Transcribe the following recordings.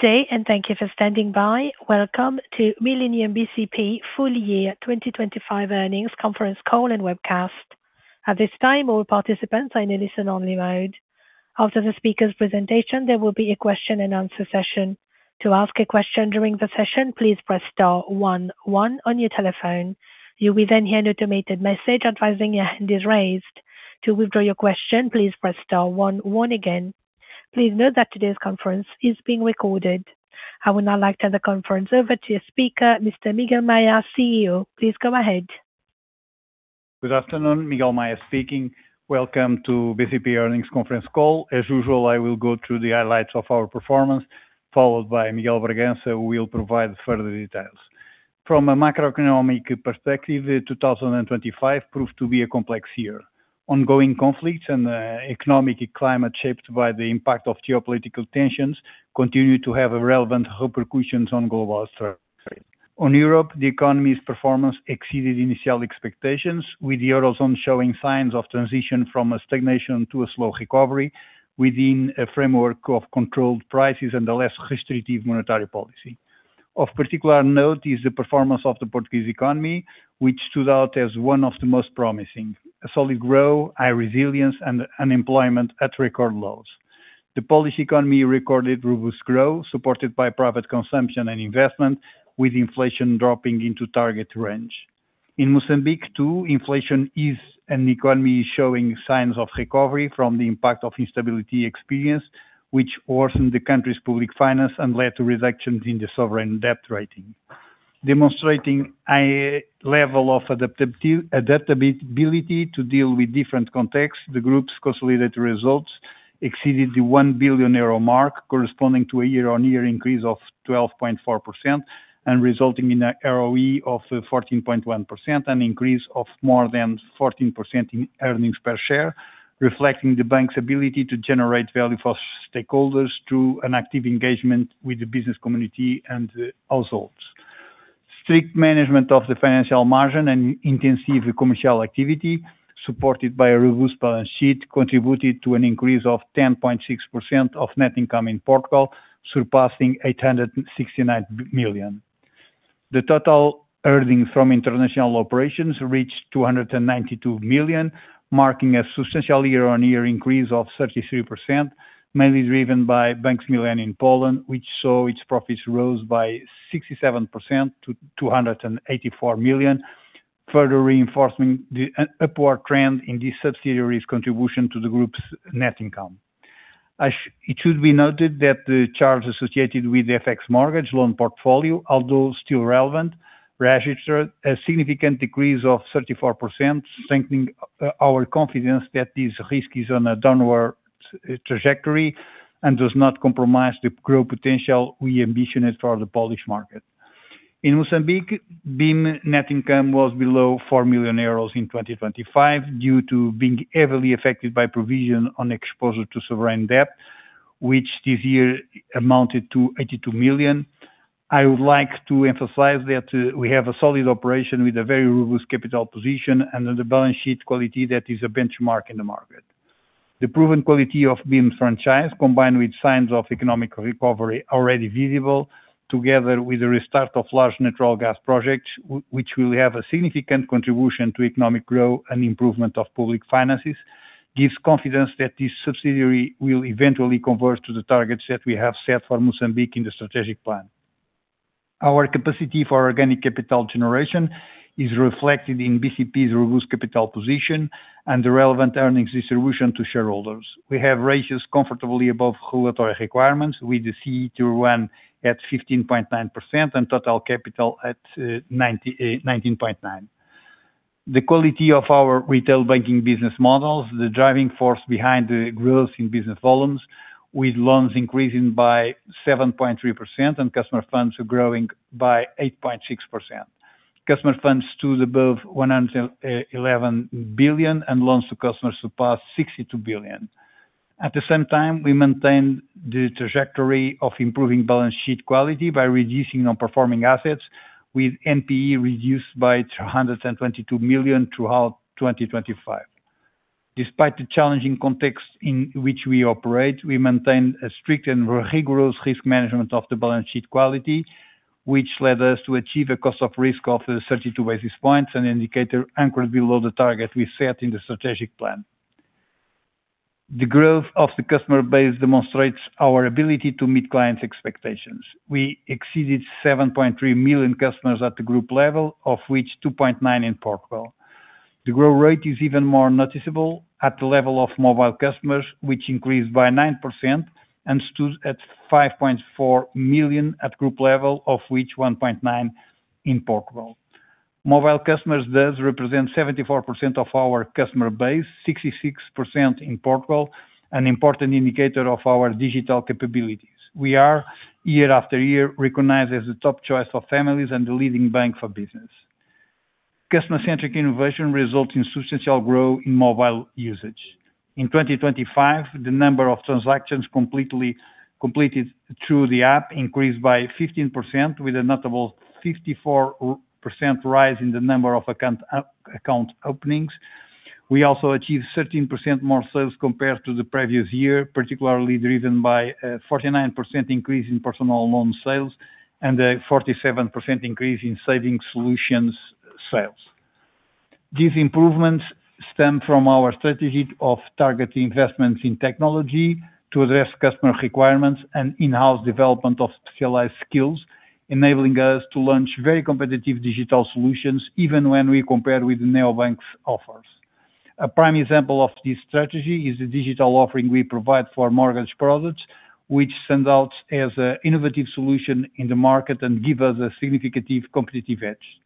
Day and thank you for standing by. Welcome to Millennium bcp Full Year 2025 Earnings Conference Call and Webcast. At this time, all participants are in a listen-only mode. After the speaker's presentation, there will be a question-and-answer session. To ask a question during the session, please press star one one on your telephone. You will then hear an automated message advising your hand is raised. To withdraw your question, please press star one one again. Please note that today's conference is being recorded. I would now like to hand the conference over to your speaker, Mr. Miguel Maya, CEO. Please go ahead. Good afternoon, Miguel Maya speaking. Welcome to BCP Earnings Conference Call. As usual, I will go through the highlights of our performance, followed by Miguel Bragança, who will provide further details. From a macroeconomic perspective, 2025 proved to be a complex year. Ongoing conflicts and economic climate shaped by the impact of geopolitical tensions continue to have relevant repercussions on global strategy. On Europe, the economy's performance exceeded initial expectations, with the eurozone showing signs of transition from a stagnation to a slow recovery within a framework of controlled prices and a less restrictive monetary policy. Of particular note is the performance of the Portuguese economy, which stood out as one of the most promising: a solid growth, high resilience, and unemployment at record lows. The Polish economy recorded robust growth, supported by private consumption and investment, with inflation dropping into target range. In Mozambique, too, inflation is an economy showing signs of recovery from the impact of instability experienced, which worsened the country's public finance and led to reductions in the sovereign debt rating. Demonstrating a high level of adaptability to deal with different contexts, the group's consolidated results exceeded the 1 billion euro mark, corresponding to a year-on-year increase of 12.4% and resulting in an ROE of 14.1% and an increase of more than 14% in earnings per share, reflecting the bank's ability to generate value for stakeholders through an active engagement with the business community and households. Strict management of the financial margin and intensive commercial activity, supported by a robust balance sheet, contributed to an increase of 10.6% of net income in Portugal, surpassing 869 million. The total earnings from international operations reached 292 million, marking a substantial year-on-year increase of 33%, mainly driven by Bank Millennium in Poland, which saw its profits rose by 67% to 284 million, further reinforcing the upward trend in this subsidiary's contribution to the group's net income. It should be noted that the charges associated with the FX mortgage loan portfolio, although still relevant, registered a significant decrease of 34%, strengthening our confidence that this risk is on a downward trajectory and does not compromise the growth potential we ambitioned for the Polish market. In Mozambique, BIM net income was below 4 million euros in 2025 due to being heavily affected by provision on exposure to sovereign debt, which this year amounted to 82 million. I would like to emphasize that we have a solid operation with a very robust capital position and a balance sheet quality that is a benchmark in the market. The proven quality of BIM's franchise, combined with signs of economic recovery already visible, together with the restart of large natural gas projects, which will have a significant contribution to economic growth and improvement of public finances, gives confidence that this subsidiary will eventually converge to the targets that we have set for Mozambique in the strategic plan. Our capacity for organic capital generation is reflected in BCP's robust capital position and the relevant earnings distribution to shareholders. We have ratios comfortably above regulatory requirements, with the CET1 at 15.9% and total capital at 19.9%. The quality of our retail banking business models, the driving force behind the growth in business volumes, with loans increasing by 7.3% and customer funds growing by 8.6%. Customer funds stood above 111 billion, and loans to customers surpassed 62 billion. At the same time, we maintained the trajectory of improving balance sheet quality by reducing non-performing assets, with NPE reduced by 322 million throughout 2025. Despite the challenging context in which we operate, we maintained a strict and rigorous risk management of the balance sheet quality, which led us to achieve a cost of risk of 32 basis points, an indicator anchored below the target we set in the strategic plan. The growth of the customer base demonstrates our ability to meet clients' expectations. We exceeded 7.3 million customers at the group level, of which 2.9 million in Portugal. The growth rate is even more noticeable at the level of mobile customers, which increased by 9% and stood at 5.4 million at group level, of which 1.9 million in Portugal. Mobile customers does represent 74% of our customer base, 66% in Portugal, an important indicator of our digital capabilities. We are, year-after-year, recognized as the top choice for families and the leading bank for business. Customer-centric innovation results in substantial growth in mobile usage. In 2025, the number of transactions completed through the app increased by 15%, with a notable 54% rise in the number of account openings. We also achieved 13% more sales compared to the previous year, particularly driven by a 49% increase in personal loan sales and a 47% increase in savings solutions sales. These improvements stem from our strategy of targeting investments in technology to address customer requirements and in-house development of specialized skills, enabling us to launch very competitive digital solutions even when we compare with neobanks' offers. A prime example of this strategy is the digital offering we provide for mortgage products, which stand out as an innovative solution in the market and give us a significant competitive edge.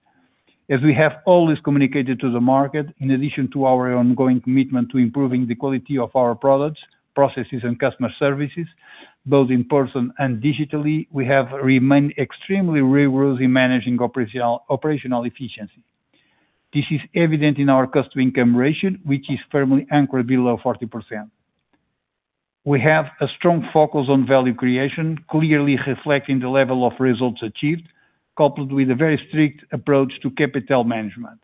As we have always communicated to the market, in addition to our ongoing commitment to improving the quality of our products, processes, and customer services, both in person and digitally, we have remained extremely rigorous in managing operational efficiency. This is evident in our cost-to-income ratio, which is firmly anchored below 40%. We have a strong focus on value creation, clearly reflecting the level of results achieved, coupled with a very strict approach to capital management.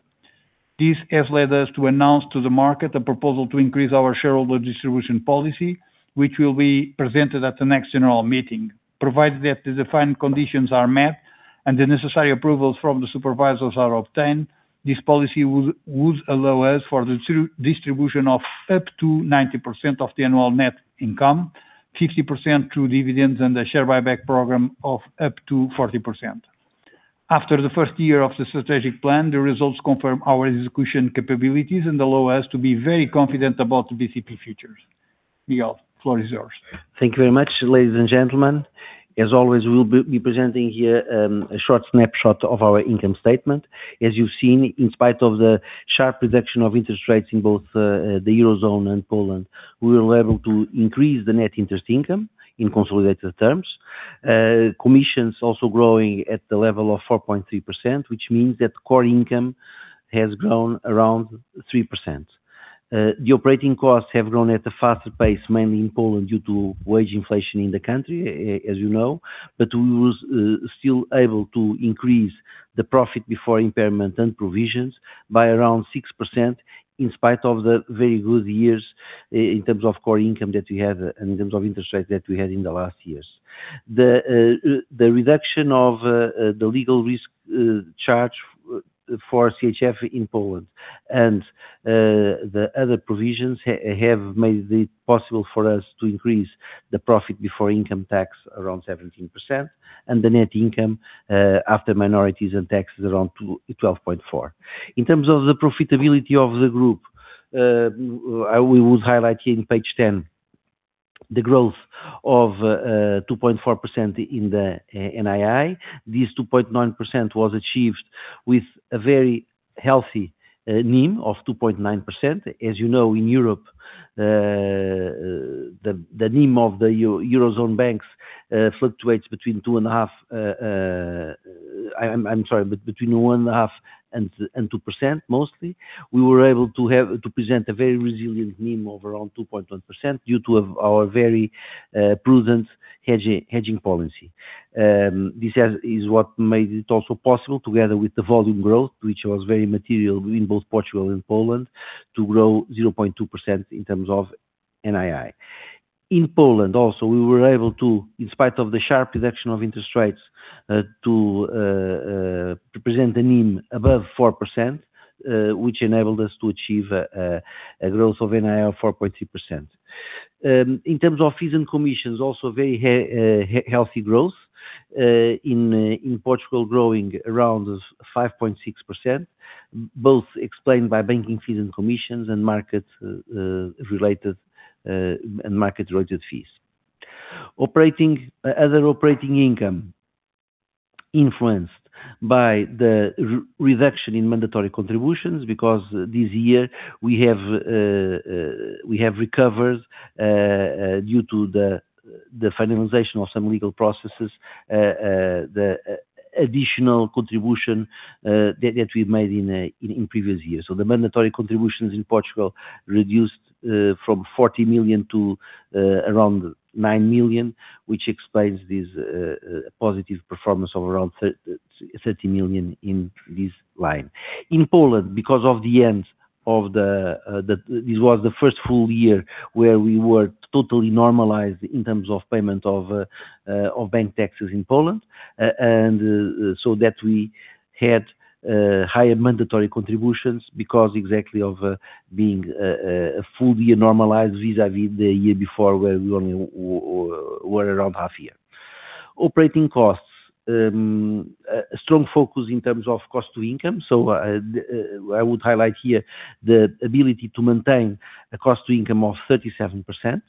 This has led us to announce to the market a proposal to increase our shareholder distribution policy, which will be presented at the next general meeting. Provided that the defined conditions are met and the necessary approvals from the supervisors are obtained, this policy would allow us for the distribution of up to 90% of the annual net income, 50% through dividends, and a share buyback program of up to 40%. After the first year of the strategic plan, the results confirm our execution capabilities and allow us to be very confident about BCP's future. Miguel, the floor is yours. Thank you very much, ladies and gentlemen. As always, we'll be presenting here a short snapshot of our income statement. As you've seen, in spite of the sharp reduction of interest rates in both the eurozone and Poland, we were able to increase the net interest income in consolidated terms, commissions also growing at the level of 4.3%, which means that core income has grown around 3%. The operating costs have grown at a faster pace, mainly in Poland due to wage inflation in the country, as you know, but we were still able to increase the profit before impairment and provisions by around 6% in spite of the very good years in terms of core income that we had and in terms of interest rates that we had in the last years. The reduction of the legal risk charge for CHF in Poland and the other provisions have made it possible for us to increase the profit before income tax around 17% and the net income after minorities and taxes around 12.4%. In terms of the profitability of the group, we would highlight here on page 10 the growth of 2.4% in the NII. This 2.9% was achieved with a very healthy NIM of 2.9%. As you know, in Europe, the NIM of the eurozone banks fluctuates between 2.5% I'm sorry, but between 1.5% and 2% mostly. We were able to present a very resilient NIM of around 2.1% due to our very prudent hedging policy. This is what made it also possible, together with the volume growth, which was very material in both Portugal and Poland, to grow 0.2% in terms of NII. In Poland also, we were able to, in spite of the sharp reduction of interest rates, to present a NIM above 4%, which enabled us to achieve a growth of NII of 4.3%. In terms of fees and commissions, also very healthy growth in Portugal, growing around 5.6%, both explained by banking fees and commissions and market-related and market-related fees. Other operating income influenced by the reduction in mandatory contributions because this year we have recovered due to the finalization of some legal processes, the additional contribution that we made in previous years. The mandatory contributions in Portugal reduced from 40 million to around 9 million, which explains this positive performance of around 30 million in this line. In Poland, because of the end of this was the first full year where we were totally normalized in terms of payment of bank taxes in Poland, we had higher mandatory contributions because exactly of being a full year normalized vis-à-vis the year before where we only were around half a year. Operating costs, a strong focus in terms of cost-to-income. I would highlight here the ability to maintain a cost-to-income of 37%.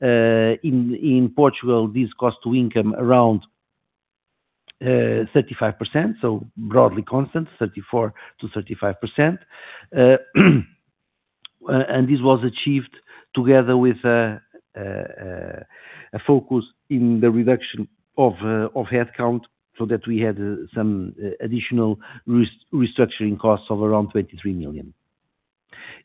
In Portugal, this cost-to-income around 35%, broadly constant, 34% to 35%. This was achieved together with a focus in the reduction of headcount we had some additional restructuring costs of around 23 million.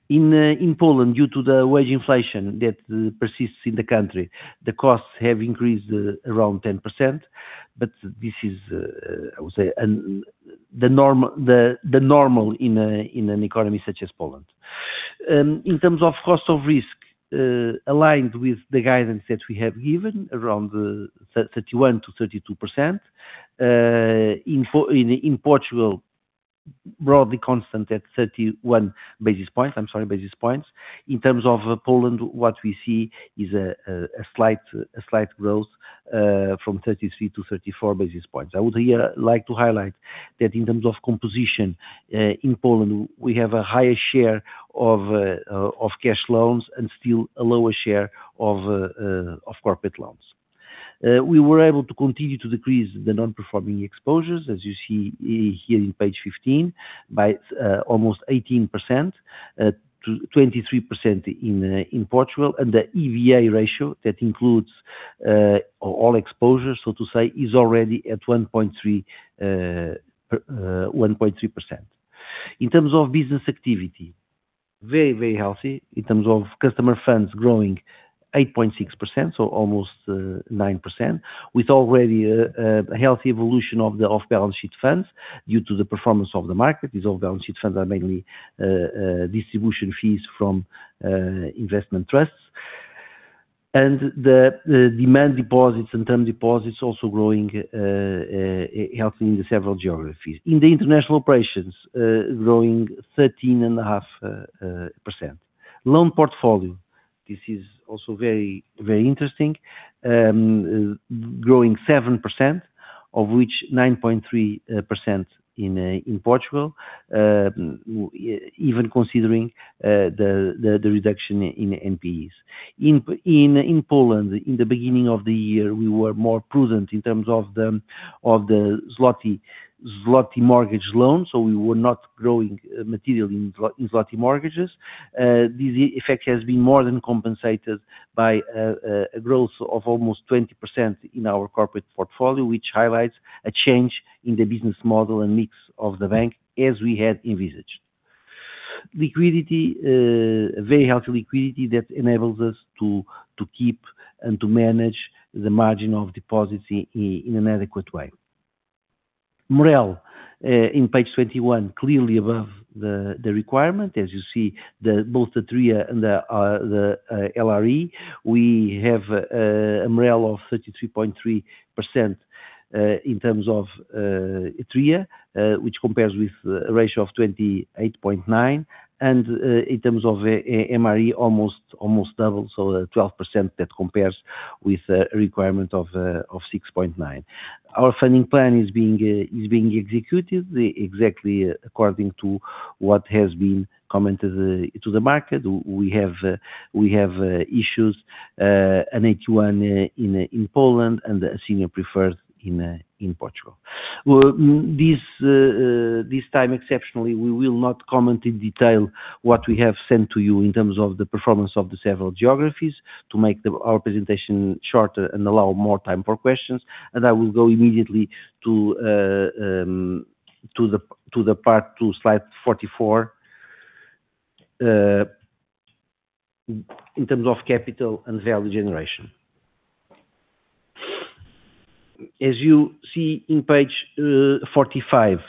In Poland, due to the wage inflation that persists in the country, the costs have increased around 10%, but this is, I would say, the normal in an economy such as Poland. In terms of cost of risk, aligned with the guidance that we have given around 31%-32%, in Portugal, broadly constant at 31 basis points, I'm sorry. In terms of Poland, what we see is a slight growth from 33%-34% basis points. I would like to highlight that in terms of composition, in Poland, we have a higher share of cash loans and still a lower share of corporate loans. We were able to continue to decrease the non-performing exposures, as you see here on page 15, by almost 18%, 23% in Portugal, and the EVA ratio that includes all exposures, so to say, is already at 1.3%. In terms of business activity, very, very healthy. In terms of customer funds growing 8.6%, so almost 9%, with already a healthy evolution of balance sheet funds due to the performance of the market. These all balance sheet funds are mainly distribution fees from investment trusts. The demand deposits and term deposits also growing healthily in several geographies. In the international operations, growing 13.5%. Loan portfolio, this is also very, very interesting, growing 7%, of which 9.3% in Portugal, even considering the reduction in NPEs. In Poland, in the beginning of the year, we were more prudent in terms of the zloty mortgage loan, so we were not growing materially in zloty mortgages. This effect has been more than compensated by a growth of almost 20% in our corporate portfolio, which highlights a change in the business model and mix of the bank as we had envisaged. Liquidity, a very healthy liquidity that enables us to keep and to manage the margin of deposits in an adequate way. MREL, on page 21, clearly above the requirement, as you see, both the TREA and the LRE. We have a MREL of 33.3% in terms of TREA, which compares with a ratio of 28.9%. In terms of MREL, almost double, so 12% that compares with a requirement of 6.9%. Our funding plan is being executed exactly according to what has been commented to the market. We have issues in H1 in Poland and a senior preferred in Portugal. This time, exceptionally, we will not comment in detail what we have sent to you in terms of the performance of the several geographies to make our presentation shorter and allow more time for questions. I will go immediately to the part 2, slide 44, in terms of capital and value generation. As you see on page 45,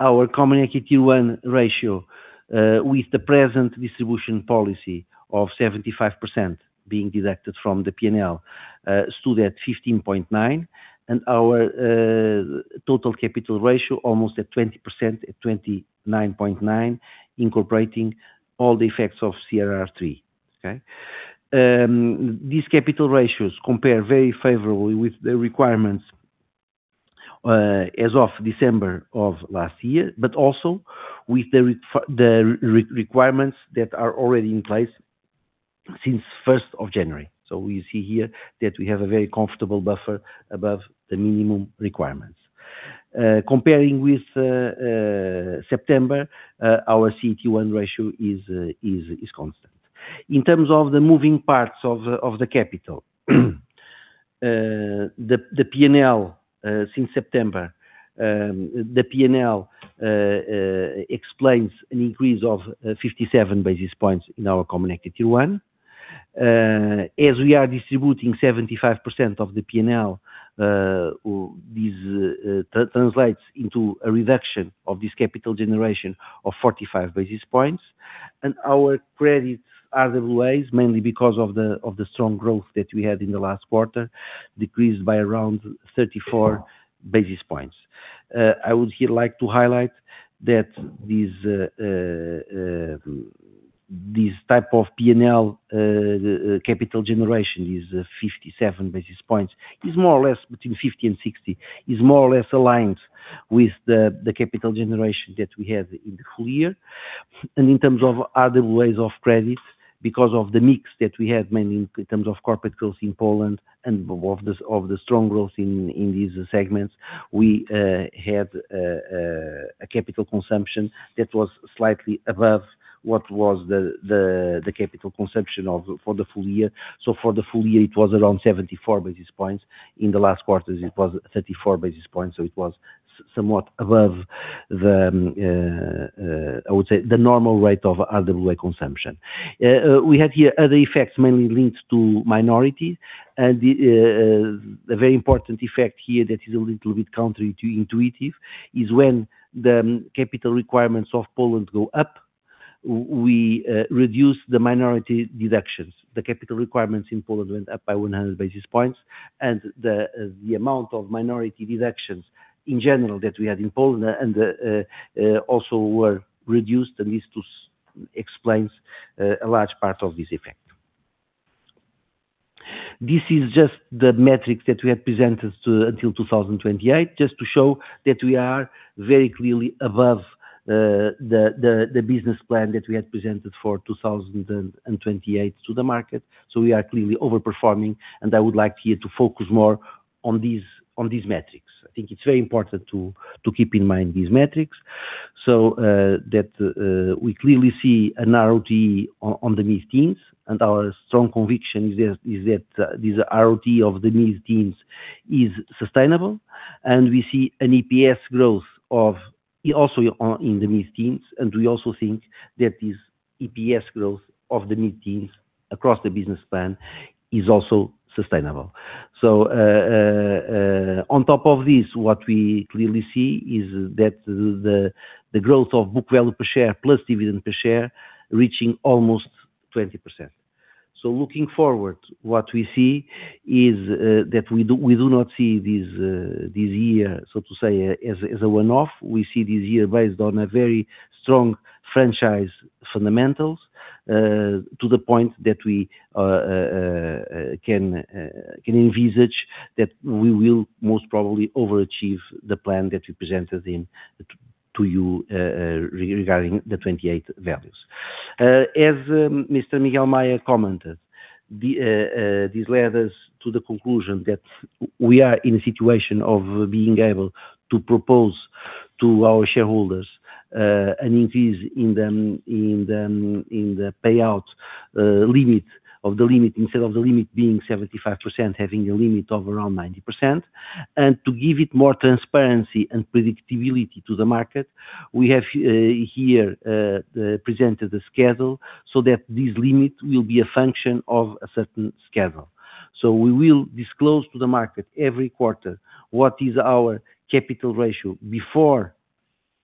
our Common Equity Tier 1 ratio with the present distribution policy of 75% being deducted from the P&L stood at 15.9%, and our total capital ratio almost at 20%, at 29.9%, incorporating all the effects of CRR3. These capital ratios compare very favorably with the requirements as of December of last year, but also with the requirements that are already in place since 1st of January. We see here that we have a very comfortable buffer above the minimum requirements. Comparing with September, our CET1 ratio is constant. In terms of the moving parts of the capital, the P&L since September, the P&L explains an increase of 57 basis points in our Common Equity Tier 1. As we are distributing 75% of the P&L, this translates into a reduction of this capital generation of 45 basis points. Our credit RWAs, mainly because of the strong growth that we had in the last quarter, decreased by around 34 basis points. I would here like to highlight that this type of P&L capital generation, these 57 basis points, is more or less between 50 and 60, is more or less aligned with the capital generation that we had in the full year. In terms of RWAs of credit, because of the mix that we had mainly in terms of corporate growth in Poland and of the strong growth in these segments, we had a capital consumption that was slightly above what was the capital consumption for the full year. For the full year, it was around 74 basis points. In the last quarters, it was 34 basis points. It was somewhat above, I would say, the normal rate of RWA consumption. We had here other effects mainly linked to minority. A very important effect here that is a little bit counterintuitive is when the capital requirements of Poland go up, we reduce the minority deductions. The capital requirements in Poland went up by 100 basis points. The amount of minority deductions in general that we had in Poland also were reduced. This explains a large part of this effect. This is just the metrics that we had presented until 2028, just to show that we are very clearly above the business plan that we had presented for 2028 to the market. We are clearly overperforming. I would like here to focus more on these metrics. I think it's very important to keep in mind these metrics so that we clearly see an ROTE on the mid-teens. Our strong conviction is that this ROTE of the mid-teens is sustainable. We see an EPS growth also in the mid-teens. We also think that this EPS growth of the mid-teens across the business plan is also sustainable. On top of this, what we clearly see is that the growth of book value per share plus dividend per share reaching almost 20%. Looking forward, what we see is that we do not see this year, so to say, as a one-off. We see this year based on a very strong franchise fundamentals to the point that we can envisage that we will most probably overachieve the plan that we presented to you regarding the 28 values. As Mr. Miguel Maya commented, this led us to the conclusion that we are in a situation of being able to propose to our shareholders an increase in the payout limit of the limit instead of the limit being 75%, having a limit of around 90%. To give it more transparency and predictability to the market, we have here presented a schedule so that this limit will be a function of a certain schedule. We will disclose to the market every quarter what is our capital ratio before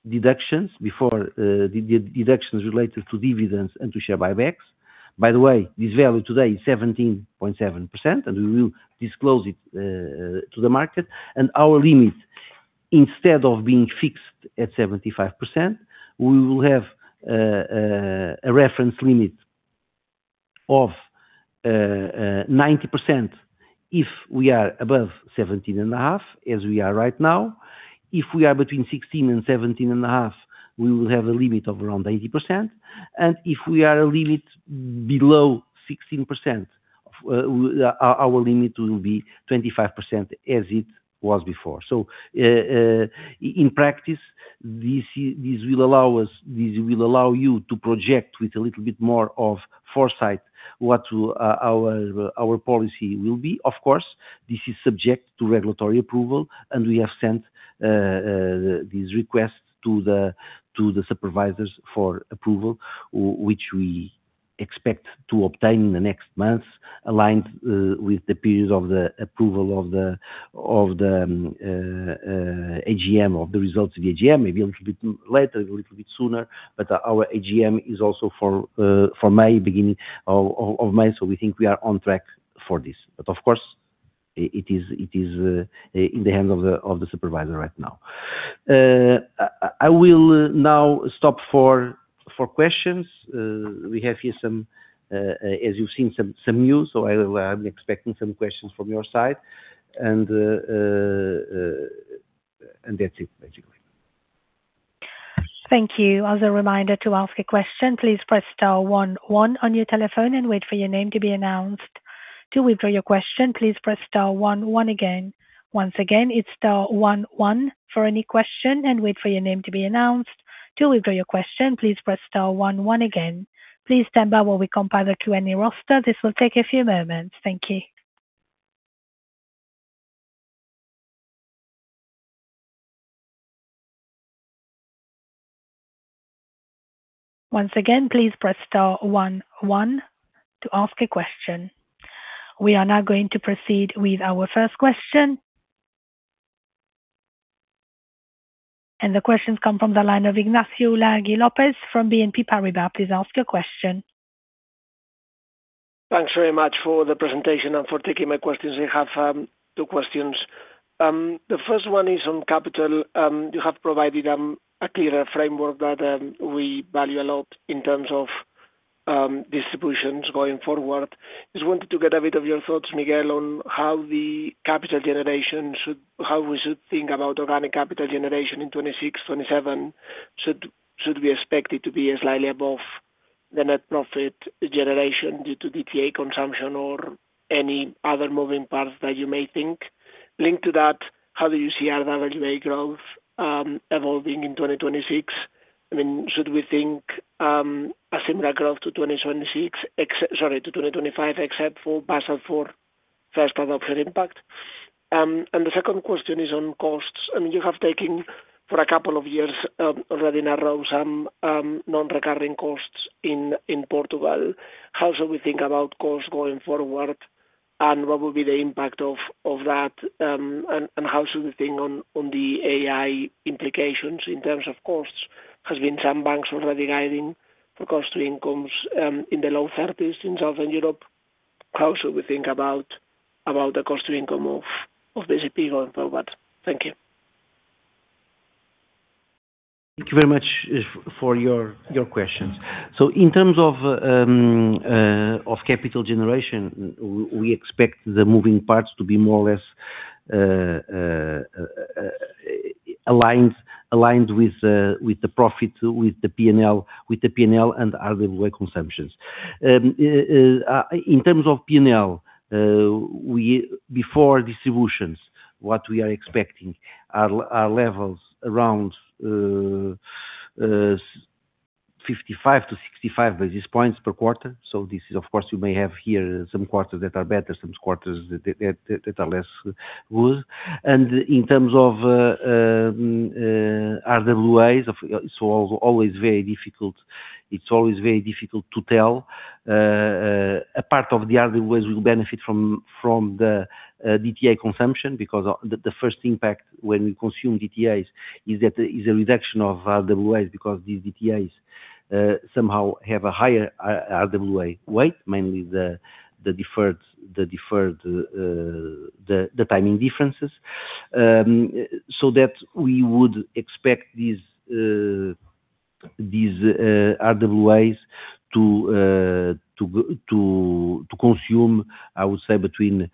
deductions, before the deductions related to dividends and to share buybacks. By the way, this value today is 17.7%, and we will disclose it to the market. Our limit, instead of being fixed at 75%, we will have a reference limit of 90% if we are above 17.5%, as we are right now. If we are between 16% and 17.5%, we will have a limit of around 80%. If we are a limit below 16%, our limit will be 25% as it was before. In practice, this will allow you to project with a little bit more of foresight what our policy will be. Of course, this is subject to regulatory approval. We have sent this request to the supervisors for approval, which we expect to obtain in the next months aligned with the period of the approval of the AGM, of the results of the AGM, maybe a little bit later, a little bit sooner. Our AGM is also for May, beginning of May. We think we are on track for this. Of course, it is in the hands of the supervisor right now. I will now stop for questions. We have here some, as you've seen, some news. I'm expecting some questions from your side. That's it, basically. Thank you. As a reminder to ask a question, please press star 11 on your telephone and wait for your name to be announced. To withdraw your question, please press star 11 again. Once again, it's star 11 for any question and wait for your name to be announced. To withdraw your question, please press star 11 again. Please stand by while we compile the Q&A roster. This will take a few moments. Thank you. Once again, please press star 11 to ask a question. We are now going to proceed with our first question. The questions come from the line of Ignacio Ulargui Lopez from BNP Paribas. Please ask your question. Thanks very much for the presentation and for taking my questions. I have two questions. The first one is on capital. You have provided a clearer framework that we value a lot in terms of distributions going forward. I just wanted to get a bit of your thoughts, Miguel, on how the capital generation how we should think about organic capital generation in 2026, 2027, should be expected to be slightly above the net profit generation due to DTA consumption or any other moving parts that you may think. Linked to that, how do you see RWA growth evolving in 2026? I mean, should we think a similar growth to 2025 except for first adoption impact? The second question is on costs. I mean, you have taken for a couple of years already in a row some non-recurring costs in Portugal. How should we think about costs going forward, and what will be the impact of that? How should we think on the AI implications in terms of costs? Has been some banks already guiding for cost to incomes in the low 30s in Southern Europe. How should we think about the cost to income of BCP going forward? Thank you. Thank you very much for your questions. In terms of capital generation, we expect the moving parts to be more or less aligned with the profit, with the P&L and RWA consumptions. In terms of P&L, before distributions, what we are expecting are levels around 55-65 basis points per quarter. This is of course, you may have here some quarters that are better, some quarters that are less good. In terms of RWAs, it's always very difficult to tell. A part of the RWAs will benefit from the DTA consumption because the first impact when we consume DTAs is a reduction of RWAs because these DTAs somehow have a higher RWA weight, mainly the deferred timing differences. That we would expect these RWAs to consume, I would say, between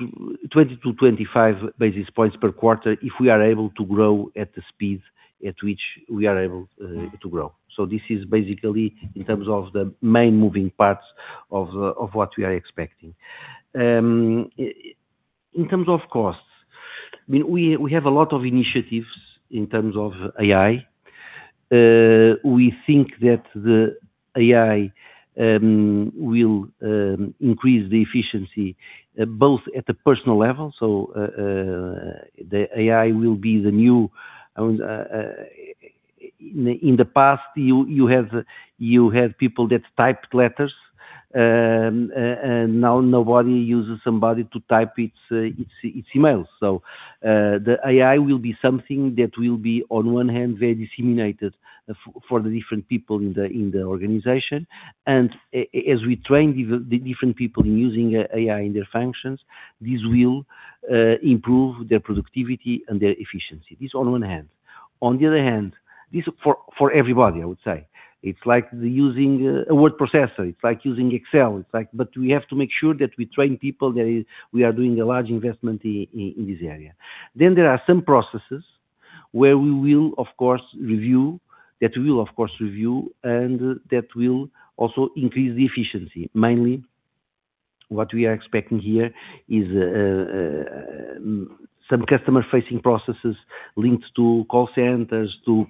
20-25 basis points per quarter if we are able to grow at the speed at which we are able to grow. This is basically in terms of the main moving parts of what we are expecting. In terms of costs, I mean, we have a lot of initiatives in terms of AI. We think that the AI will increase the efficiency both at the personal level. The AI will be the new in the past, you had people that typed letters, and now nobody uses somebody to type its emails. The AI will be something that will be, on one hand, very disseminated for the different people in the organization. As we train the different people in using AI in their functions, this will improve their productivity and their efficiency. This on one hand. The other hand, for everybody, I would say, it's like using a word processor. It's like using Excel. We have to make sure that we train people that we are doing a large investment in this area. There are some processes where we will, of course, review that we will, of course, review and that will also increase the efficiency. Mainly, what we are expecting here is some customer-facing processes linked to call centers, to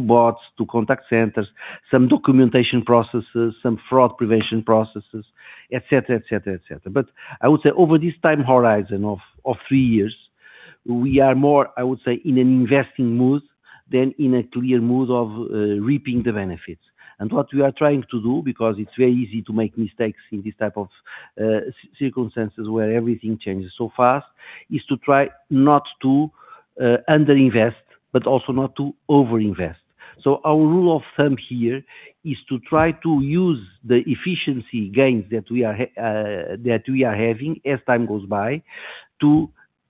bots, to contact centers, some documentation processes, some fraud prevention processes, etc., etc., etc. I would say over this time horizon of three years, we are more, I would say, in an investing mood than in a clear mood of reaping the benefits. What we are trying to do because it's very easy to make mistakes in this type of circumstances where everything changes so fast is to try not to underinvest, but also not to overinvest. Our rule of thumb here is to try to use the efficiency gains that we are having as time goes by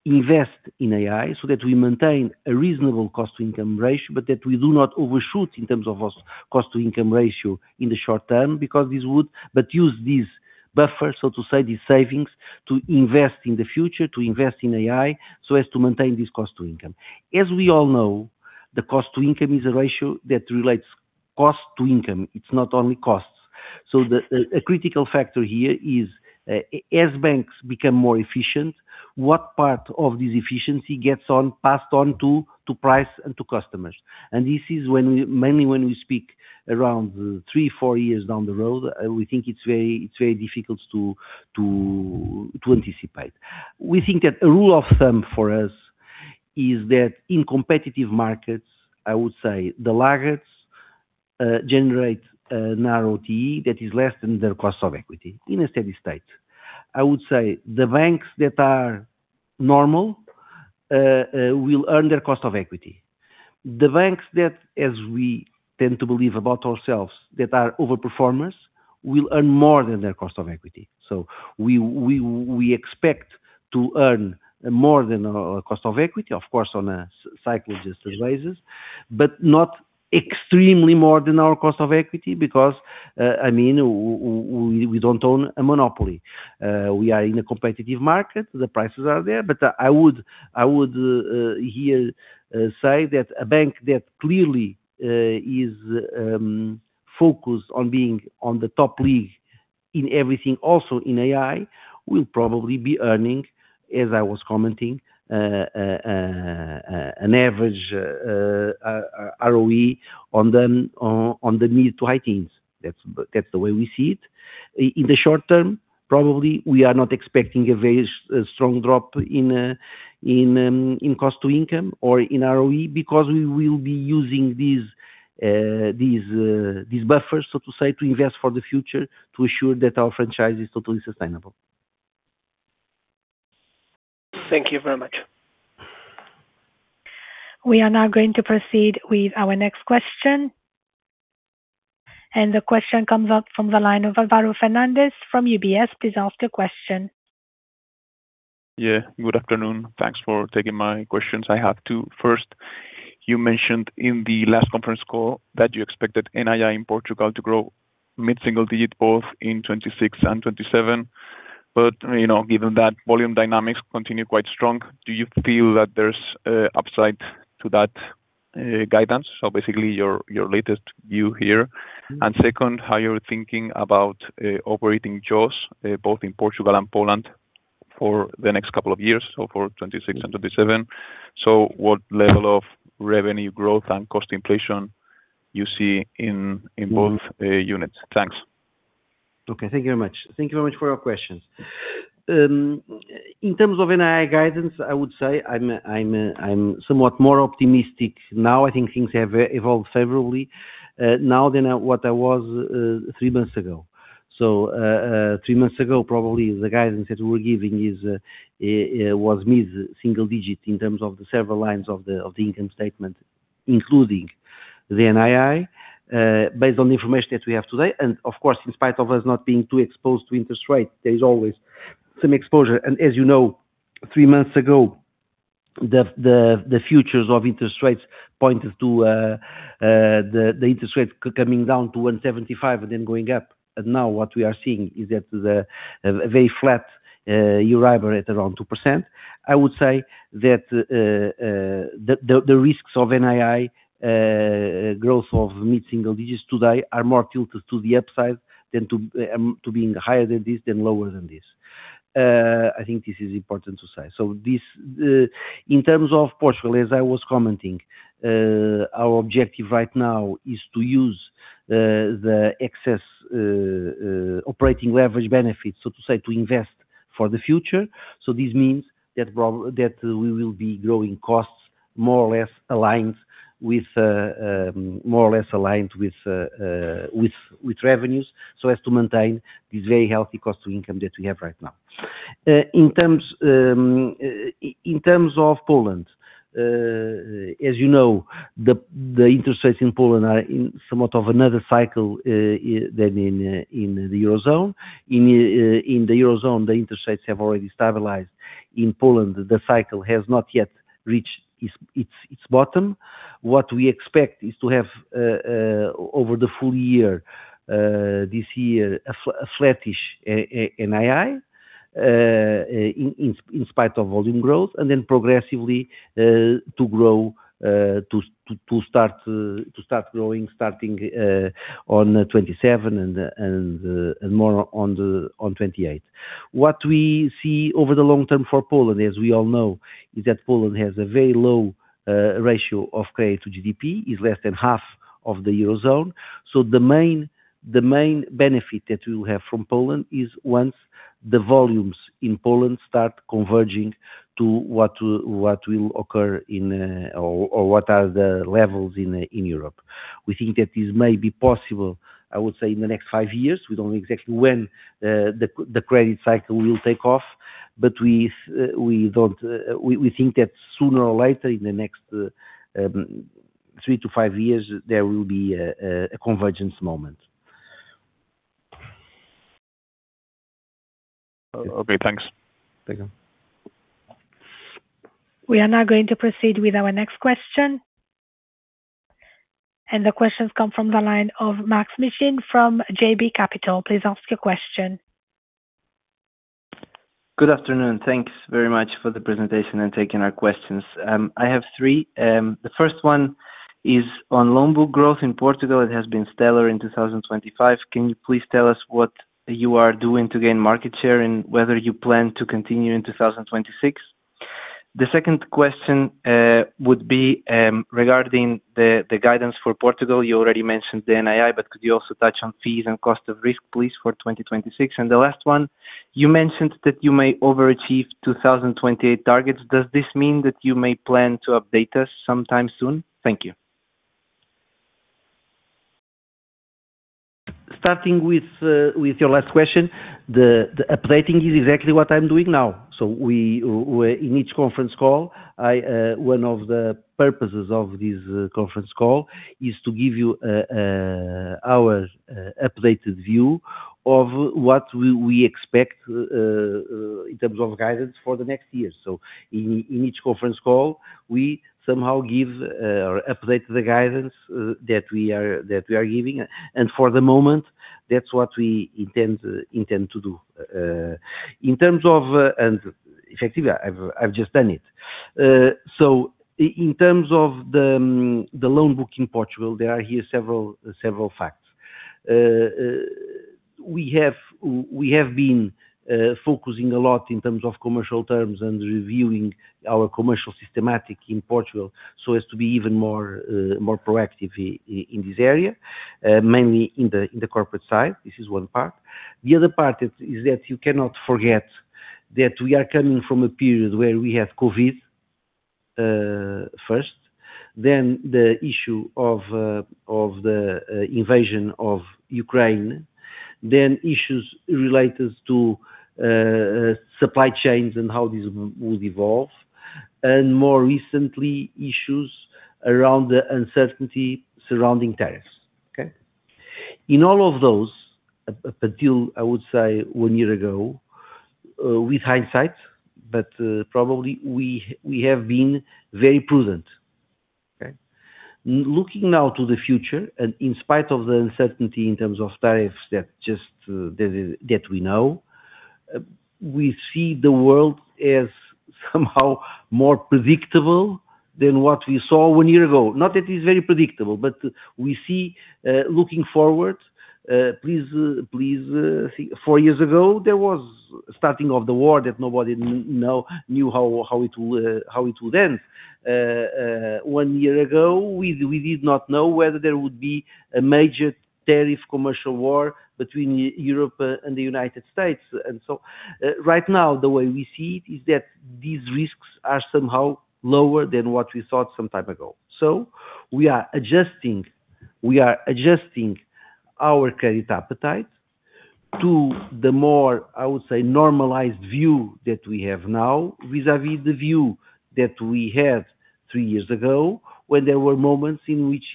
to invest in AI so that we maintain a reasonable cost-to-income ratio, but that we do not overshoot in terms of our cost-to-income ratio in the short term because this would use these buffers, so to say, these savings to invest in the future, to invest in AI so as to maintain this cost-to-income. We all know, the cost-to-income is a ratio that relates cost-to-income. It's not only costs. A critical factor here is, as banks become more efficient, what part of this efficiency gets passed on to price and to customers. This is mainly when we speak around 3, 4 years down the road, we think it's very difficult to anticipate. We think that a rule of thumb for us is that in competitive markets, I would say, the laggards generate an ROTE that is less than their cost of equity in a steady state. I would say the banks that are normal will earn their cost of equity. The banks that, as we tend to believe about ourselves, that are overperformers will earn more than their cost of equity. We expect to earn more than our cost of equity, of course, on a cyclic just as raises, but not extremely more than our cost of equity because, I mean, we don't own a monopoly. We are in a competitive market. The prices are there. I would here say that a bank that clearly is focused on being on the top league in everything, also in AI, will probably be earning, as I was commenting, an average ROE on the mid to high teens. That's the way we see it. In the short term, probably, we are not expecting a very strong drop in cost-to-income or in ROE because we will be using these buffers, so to say, to invest for the future to assure that our franchise is totally sustainable. Thank you very much. We are now going to proceed with our next question. The question comes up from the line of Álvaro Fernández from UBS. Please ask your question. Good afternoon. Thanks for taking my questions. I have 2. First, you mentioned in the last conference call that you expected NII in Portugal to grow mid-single digit both in 2026 and 2027. Given that volume dynamics continue quite strong, do you feel that there's upside to that guidance? Basically, your latest view here. Second, how you're thinking about operating jobs both in Portugal and Poland for the next couple of years, for 2026 and 2027. What level of revenue growth and cost inflation you see in both units? Thanks. Okay. Thank you very much. Thank you very much for your questions. In terms of NII guidance, I would say I'm somewhat more optimistic now. I think things have evolved favorably now than what I was 3 months ago. Three months ago, probably, the guidance that we were giving was mid-single-digit in terms of the several lines of the income statement, including the NII, based on the information that we have today. Of course, in spite of us not being too exposed to interest rate, there is always some exposure. As you know, 3 months ago, the futures of interest rates pointed to the interest rate coming down to 1.75% and then going up. Now what we are seeing is that a very flat yield curve at around 2%. I would say that the risks of NII growth of mid-single digits today are more tilted to the upside than to being higher than this, than lower than this. I think this is important to say. In terms of Portugal, as I was commenting, our objective right now is to use the excess operating leverage benefits, so to say, to invest for the future. This means that we will be growing costs more or less aligned with revenues so as to maintain this very healthy cost to income that we have right now. In terms of Poland, as you know, the interest rates in Poland are in somewhat of another cycle than in the Eurozone. In the Eurozone, the interest rates have already stabilized. In Poland, the cycle has not yet reached its bottom. What we expect is to have, over the full year this year, a flattish NII in spite of volume growth and then progressively to grow to start growing, starting on 2027 and more on 2028. What we see over the long term for Poland, as we all know, is that Poland has a very low ratio of CRE to GDP, is less than half of the Eurozone. The main benefit that we will have from Poland is once the volumes in Poland start converging to what will occur in or what are the levels in Europe. We think that this may be possible, I would say, in the next five years. We don't know exactly when the credit cycle will take off, but we think that sooner or later in the next 3-5 years, there will be a convergence moment. Okay. Thanks. Thank you. We are now going to proceed with our next question. The questions come from the line of Maksym Mishyn from JB Capital. Please ask your question. Good afternoon. Thanks very much for the presentation and taking our questions. I have three. The first one is on loan book growth in Portugal. It has been stellar in 2025. Can you please tell us what you are doing to gain market share and whether you plan to continue in 2026? The second question would be regarding the guidance for Portugal. You already mentioned the NII, but could you also touch on fees and cost of risk, please, for 2026? The last one, you mentioned that you may overachieve 2028 targets. Does this mean that you may plan to update us sometime soon? Thank you. Starting with your last question, the updating is exactly what I'm doing now. In each conference call, one of the purposes of this conference call is to give you our updated view of what we expect in terms of guidance for the next year. In each conference call, we somehow give or update the guidance that we are giving. For the moment, that's what we intend to do. In terms of effectively, I've just done it. In terms of the loan book in Portugal, there are here several facts. We have been focusing a lot in terms of commercial terms and reviewing our commercial systematic in Portugal so as to be even more proactive in this area, mainly in the corporate side. This is one part. The other part is that you cannot forget that we are coming from a period where we had COVID first, then the issue of the invasion of Ukraine, then issues related to supply chains and how this will evolve, and more recently, issues around the uncertainty surrounding tariffs. Okay? In all of those, up until, I would say, one year ago, with hindsight, but probably, we have been very prudent. Okay? Looking now to the future and in spite of the uncertainty in terms of tariffs that we know, we see the world as somehow more predictable than what we saw one year ago. Not that it's very predictable, but we see looking forward, please, four years ago, there was starting of the war that nobody knew how it would end. One year ago, we did not know whether there would be a major tariff commercial war between Europe and the United States. Right now, the way we see it is that these risks are somehow lower than what we thought some time ago. We are adjusting our credit appetite to the more, I would say, normalized view that we have now vis-à-vis the view that we had three years ago when there were moments in which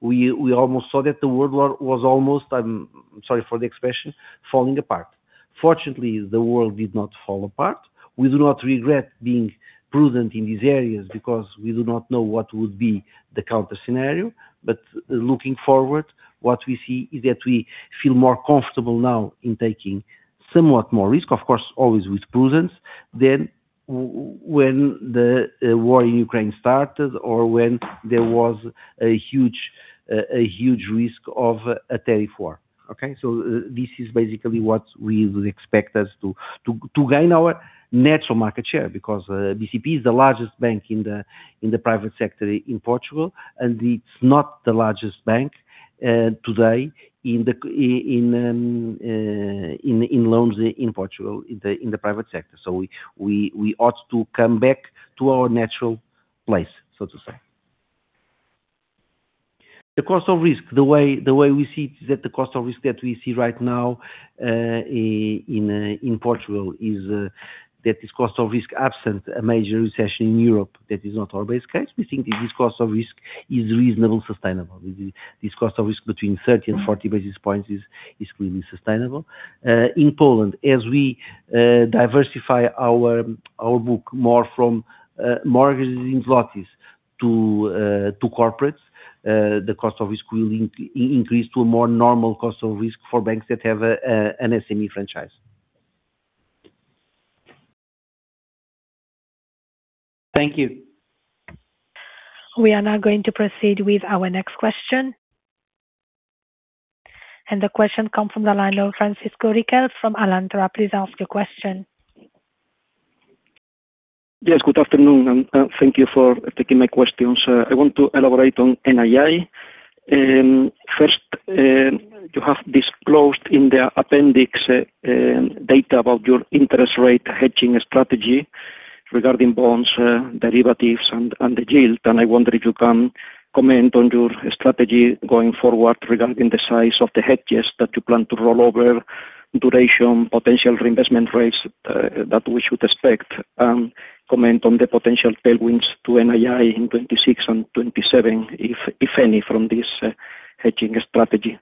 we almost saw that the world was almost I'm sorry for the expression, falling apart. Fortunately, the world did not fall apart. We do not regret being prudent in these areas because we do not know what would be the counter-scenario. Looking forward, what we see is that we feel more comfortable now in taking somewhat more risk, of course, always with prudence, than when the war in Ukraine started or when there was a huge risk of a tariff war. Okay? This is basically what we would expect as to gain our net market share because BCP is the largest bank in the private sector in Portugal, and it's not the largest bank today in loans in Portugal, in the private sector. We ought to come back to our natural place, so to say. The cost of risk, the way we see it is that the cost of risk that we see right now in Portugal is that this cost of risk absent a major recession in Europe, that is not our base case. We think that this cost of risk is reasonably sustainable. This cost of risk between 30 and 40 basis points is clearly sustainable. In Poland, as we diversify our book more from mortgages in floaters to corporates, the cost of risk will increase to a more normal cost of risk for banks that have an SME franchise. Thank you. We are now going to proceed with our next question. The question comes from the line of Francisco Riquel from Alantra. Please ask your question. Yes. Good afternoon. Thank you for taking my questions. I want to elaborate on NII. First, you have disclosed in the appendix data about your interest rate hedging strategy regarding bonds, derivatives, and the yield. I wonder if you can comment on your strategy going forward regarding the size of the hedges that you plan to roll over, duration, potential reinvestment rates that we should expect, and comment on the potential tailwinds to NII in 2026 and 2027, if any, from this hedging strategy.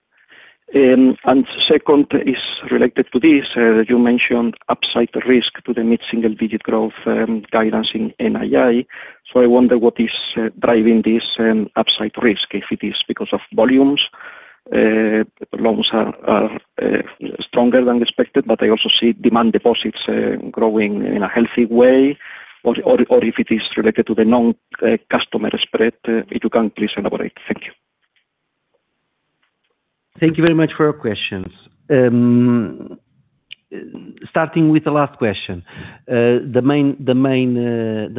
Second is related to this. You mentioned upside risk to the mid-single digit growth guidance in NII. I wonder what is driving this upside risk, if it is because of volumes. Loans are stronger than expected, but I also see demand deposits growing in a healthy way, or if it is related to the non-customer spread. If you can, please elaborate. Thank you. Thank you very much for your questions. Starting with the last question, the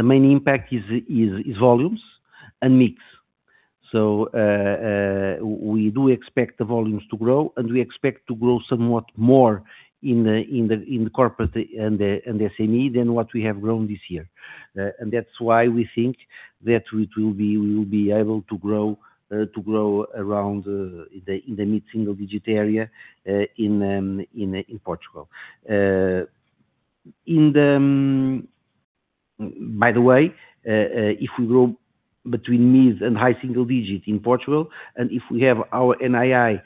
main impact is volumes and mix. We do expect the volumes to grow, and we expect to grow somewhat more in the corporate and the SME than what we have grown this year. That's why we think that we will be able to grow around in the mid-single digit area in Portugal. By the way, if we grow between mid and high single digit in Portugal and if we have our NII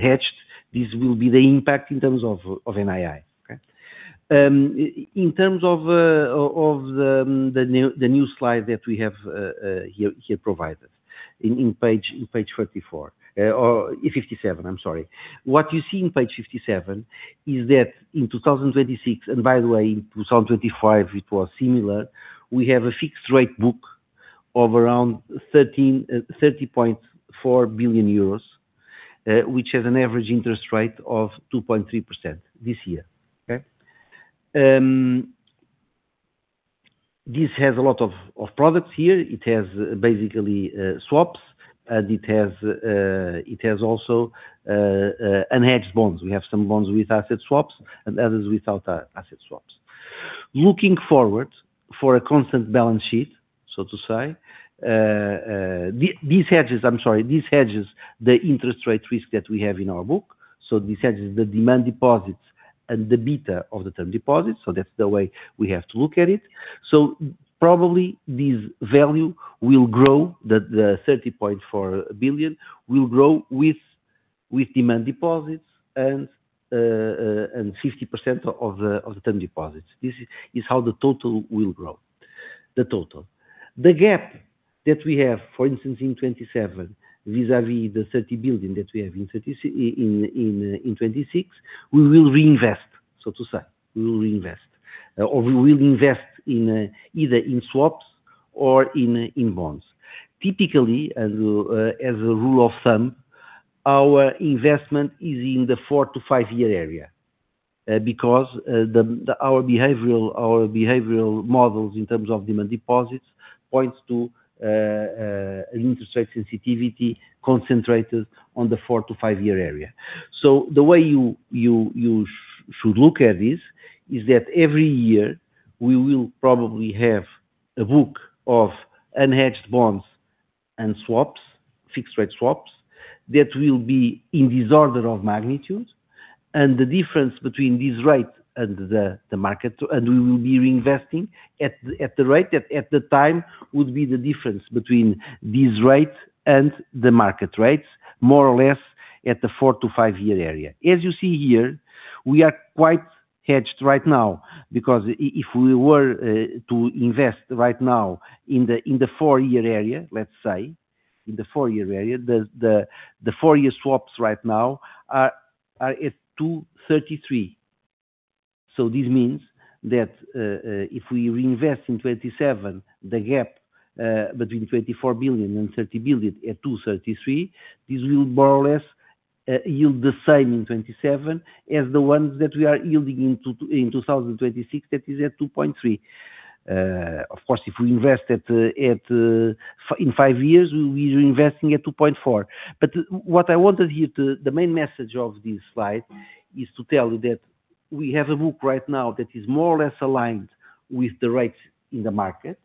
hedged, this will be the impact in terms of NII. Okay? In terms of the new slide that we have here provided in page 54 or 57, I'm sorry, what you see in page 57 is that in 2026 and by the way, in 2025, it was similar, we have a fixed-rate book of around 30.4 billion euros, which has an average interest rate of 2.3% this year. Okay? This has a lot of products here. It has basically swaps, and it has also unhedged bonds. We have some bonds with asset swaps and others without asset swaps. Looking forward for a constant balance sheet, so to say, these hedges, I'm sorry, these hedges, the interest rate risk that we have in our book. These hedges, the demand deposits and the beta of the term deposits. That's the way we have to look at it. Probably, this value will grow, the 30.4 billion will grow with demand deposits and 50% of the term deposits. This is how the total will grow, the total. The gap that we have, for instance, in 2027 vis-à-vis the 30 billion that we have in 2026, we will reinvest, so to say. We will reinvest or we will invest either in swaps or in bonds. Typically, and as a rule of thumb, our investment is in the 4- to 5-year area because our behavioral models in terms of demand deposits point to an interest rate sensitivity concentrated on the 4- to 5-year area. The way you should look at this is that every year, we will probably have a book of unhedged bonds and swaps, fixed-rate swaps, that will be in disorder of magnitude. The difference between this rate and the market and we will be reinvesting at the rate that at the time would be the difference between this rate and the market rates, more or less, at the 4-5-year area. You see here, we are quite hedged right now because if we were to invest right now in the four-year area, let's say, the four-year swaps right now are at 2.33%. This means that if we reinvest in 2027, the gap between 24 billion and 30 billion at 2.33%, this will more or less yield the same in 2027 as the ones that we are yielding in 2026 that is at 2.3%. Of course, if we invest in five years, we'll be reinvesting at 2.4%. What I wanted here to the main message of this slide is to tell you that we have a book right now that is more or less aligned with the rates in the market.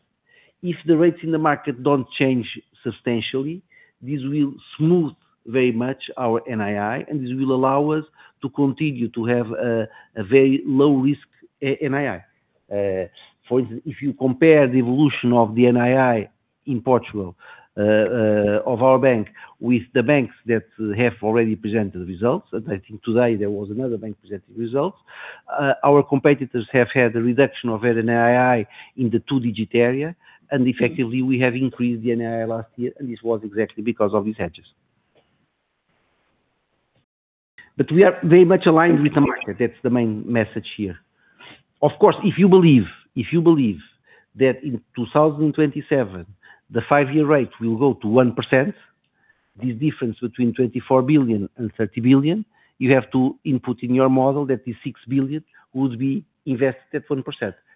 If the rates in the market don't change substantially, this will smooth very much our NII, and this will allow us to continue to have a very low-risk NII. For instance, if you compare the evolution of the NII in Portugal of our bank with the banks that have already presented results and I think today, there was another bank presenting results, our competitors have had a reduction of their NII in the 2-digit area. Effectively, we have increased the NII last year, and this was exactly because of these hedges. We are very much aligned with the market. That's the main message here. Of course, if you believe that in 2027, the five-year rate will go to 1%, this difference between 24 billion and 30 billion, you have to input in your model that this 6 billion would be invested at 1%.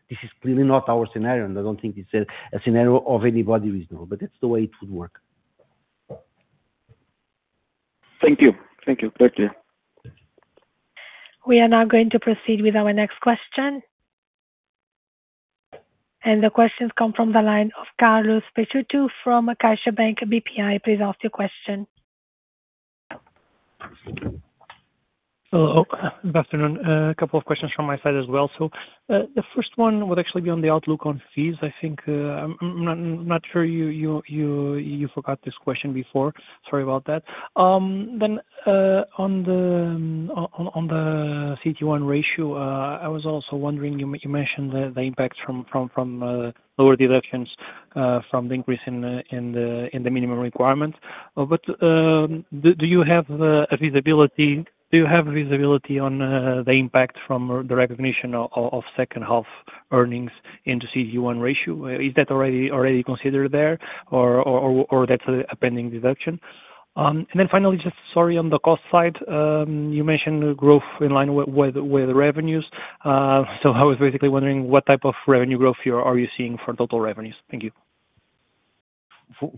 This is clearly not our scenario, and I don't think it's a scenario of anybody reasonable. That's the way it would work. Thank you. Thank you. Thank you. We are now going to proceed with our next question. The questions come from the line of Carlos Peixoto from CaixaBank BPI. Please ask your question. Hello. Good afternoon. A couple of questions from my side as well. The first one would actually be on the outlook on fees. I think I'm not sure you forgot this question before. Sorry about that. On the CET1 ratio, I was also wondering you mentioned the impact from lower deductions from the increase in the minimum requirement. Do you have a visibility on the impact from the recognition of second-half earnings into CET1 ratio? Is that already considered there, or that's a pending deduction? Finally, just sorry, on the cost side, you mentioned growth in line with revenues. I was basically wondering what type of revenue growth are you seeing for total revenues? Thank you.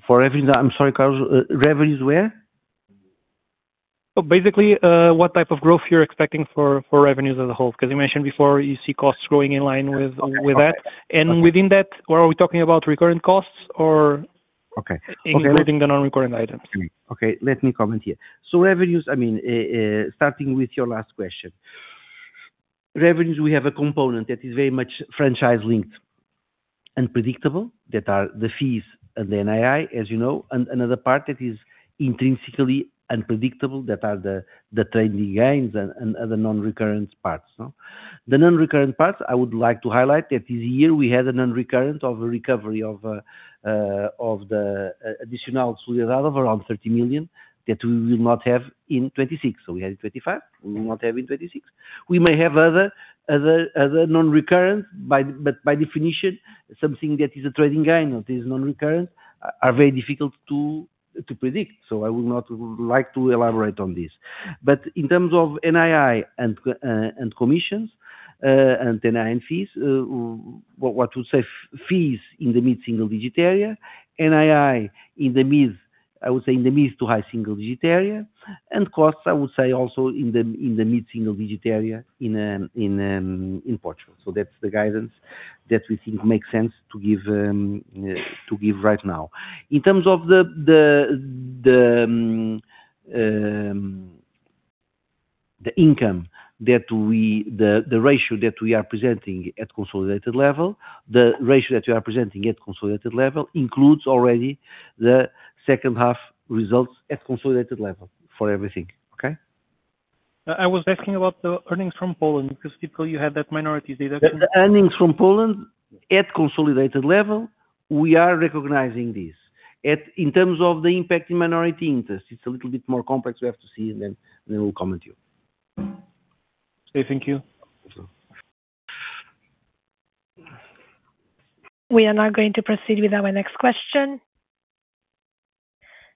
For revenues? I'm sorry, Carlos. Revenues where? Basically, what type of growth you're expecting for revenues as a whole because you mentioned before, you see costs growing in line with that. Within that, are we talking about recurrent costs or including the non-recurrent items? Okay. Okay. Let me comment here. Revenues I mean, starting with your last question, revenues, we have a component that is very much franchise-linked and predictable that are the fees and the NII, as you know, and another part that is intrinsically unpredictable that are the trading gains and other non-recurrent parts. The non-recurrent parts, I would like to highlight that this year, we had a non-recurrent of a recovery of the Additional Solidarity of around 30 million that we will not have in 2026. We had in 2025. We will not have in 2026. We may have other non-recurrent, but by definition, something that is a trading gain or that is non-recurrent are very difficult to predict. I would not like to elaborate on this. In terms of NII and commissions and NII and fees, what we would say, fees in the mid-single digit area, NII in the mid to high single digit area, and costs, I would say, also in the mid-single digit area in Portugal. That's the guidance that we think makes sense to give right now. In terms of the ratio that we are presenting at consolidated level includes already the second-half results at consolidated level for everything. Okay? I was asking about the earnings from Poland because typically, you have that minorities deduction. Earnings from Poland at consolidated level, we are recognizing this. In terms of the impact in minority interest, it's a little bit more complex. We have to see, and then we'll comment to you. Okay. Thank you. You're welcome. We are now going to proceed with our next question.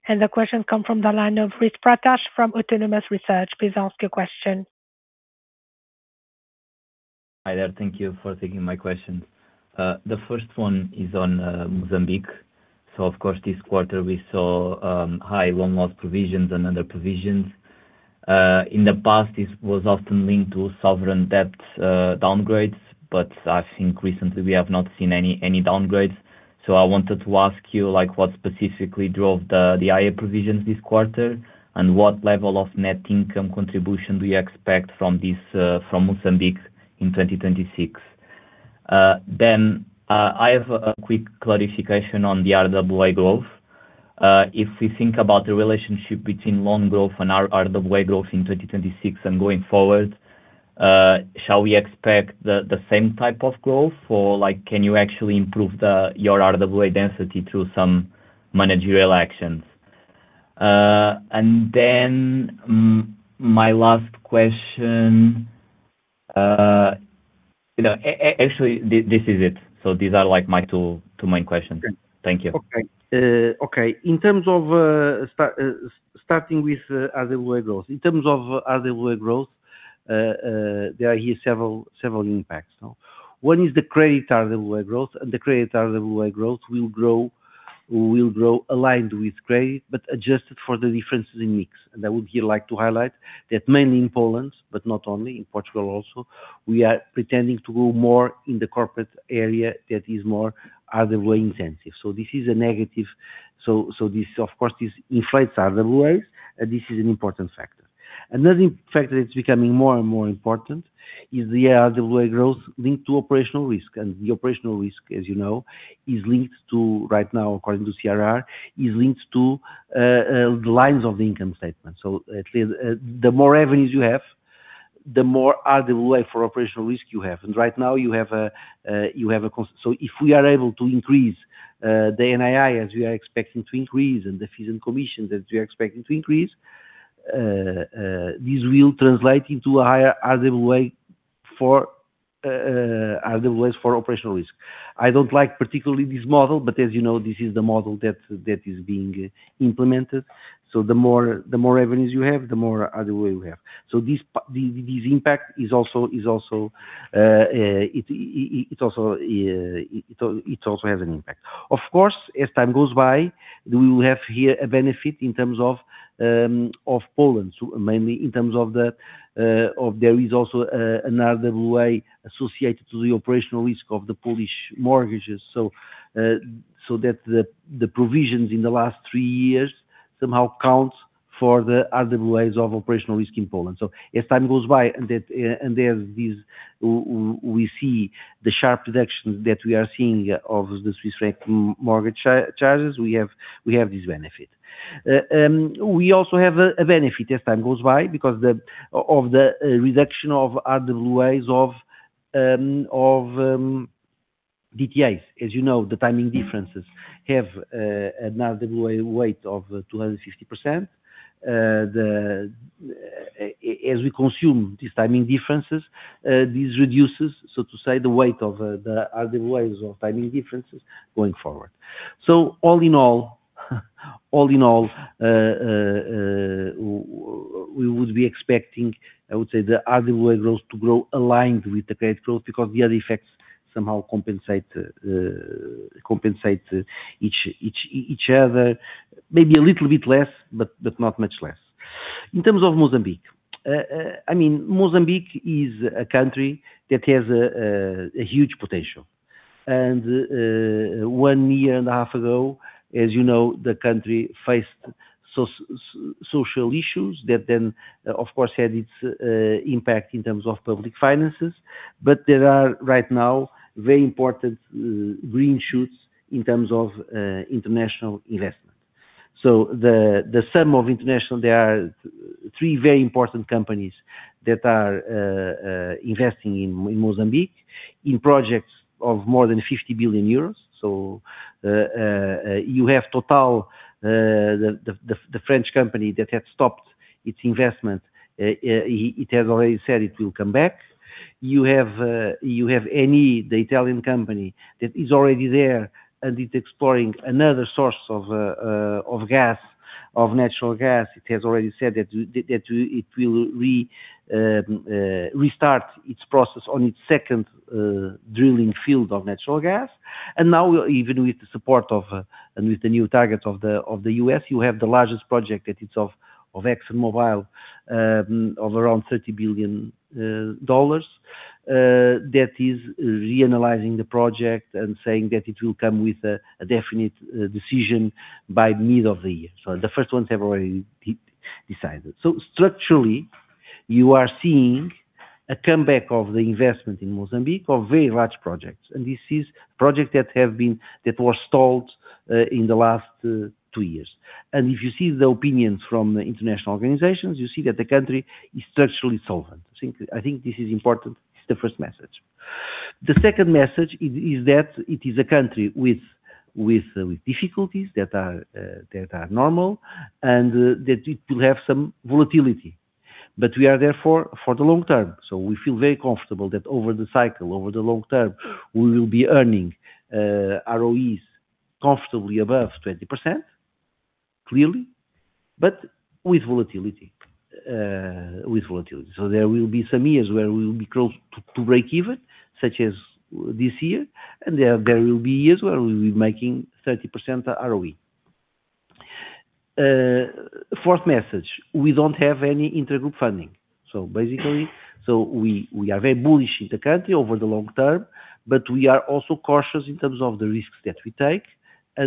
The questions come from the line of Luís Pratas from Autonomous Research. Please ask your question. Hi there. Thank you for taking my question. The first one is on Mozambique. Of course, this quarter, we saw high loan loss provisions and other provisions. In the past, this was often linked to sovereign debt downgrades, but I think recently, we have not seen any downgrades. I wanted to ask you what specifically drove the IA provisions this quarter and what level of net income contribution do you expect from Mozambique in 2026. I have a quick clarification on the RWA growth. If we think about the relationship between loan growth and RWA growth in 2026 and going forward, shall we expect the same type of growth, or can you actually improve your RWA density through some managerial actions? My last question actually, this is it. These are my two main questions. Thank you. Okay. Okay. In terms of starting with RWA growth, in terms of RWA growth, there are here several impacts. One is the credit RWA growth. The credit RWA growth will grow aligned with credit but adjusted for the differences in mix. I would here like to highlight that mainly in Poland, but not only, in Portugal also, we are pretending to grow more in the corporate area that is more RWA-intensive. This is a negative so this, of course, inflates RWAs, and this is an important factor. Another factor that's becoming more and more important is the RWA growth linked to operational risk. The operational risk, as you know, right now, according to CRR, is linked to the lines of the income statement. At least, the more revenues you have, the more RWA for operational risk you have. Right now, you have if we are able to increase the NII as we are expecting to increase and the fees and commissions as we are expecting to increase, this will translate into a higher RWA for operational risk. I don't like particularly this model, but as you know, this is the model that is being implemented. The more revenues you have, the more RWA you have. This impact also has an impact. Of course, as time goes by, we will have here a benefit in terms of Poland, mainly in terms of the there is also an RWA associated to the operational risk of the Polish mortgages so that the provisions in the last three years somehow count for the RWAs of operational risk in Poland. As time goes by and as we see the sharp deductions that we are seeing of the Swiss franc mortgage charges, we have this benefit. We also have a benefit as time goes by because of the reduction of RWAs of DTAs. As you know, the timing differences have an RWA weight of 250%. As we consume these timing differences, this reduces, so to say, the weight of the RWAs of timing differences going forward. All in all, we would be expecting, I would say, the RWA growth to grow aligned with the credit growth because the other effects somehow compensate each other, maybe a little bit less, but not much less. In terms of Mozambique, I mean, Mozambique is a country that has a huge potential. One year and a half ago, as you know, the country faced social issues that then, of course, had its impact in terms of public finances. There are right now very important green shoots in terms of international investment. The sum of international there are three very important companies that are investing in Mozambique in projects of more than 50 billion euros. You have Total, the French company that had stopped its investment, it has already said it will come back. You have Eni, the Italian company that is already there, and it's exploring another source of natural gas. It has already said that it will restart its process on its second drilling field of natural gas. Now, even with the support of and with the new target of the U.S., you have the largest project that it's of ExxonMobil of around $30 billion that is reanalysing the project and saying that it will come with a definite decision by mid of the year. The first ones have already decided. Structurally, you are seeing a comeback of the investment in Mozambique of very large projects. This is a project that was stalled in the last two years. If you see the opinions from international organizations, you see that the country is structurally solvent. I think this is important. It's the first message. The second message is that it is a country with difficulties that are normal and that it will have some volatility. We are there for the long term. We feel very comfortable that over the cycle, over the long term, we will be earning ROEs comfortably above 20%, clearly, but with volatility. There will be some years where we will be close to break even, such as this year. There will be years where we will be making 30% ROE. Fourth message, we don't have any intergroup funding. Basically, we are very bullish in the country over the long term, but we are also cautious in terms of the risks that we take. I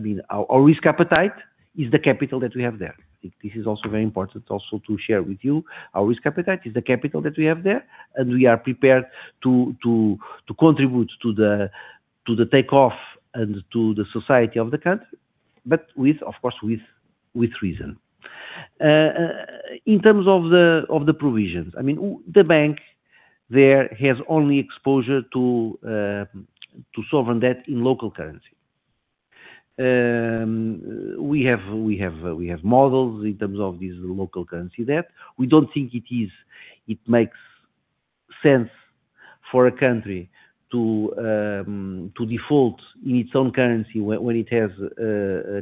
mean, our risk appetite is the capital that we have there. I think this is also very important also to share with you. Our risk appetite is the capital that we have there, and we are prepared to contribute to the takeoff and to the society of the country, but of course, with reason. In terms of the provisions, I mean, the bank there has only exposure to sovereign debt in local currency. We have models in terms of this local currency debt. We don't think it makes sense for a country to default in its own currency when it has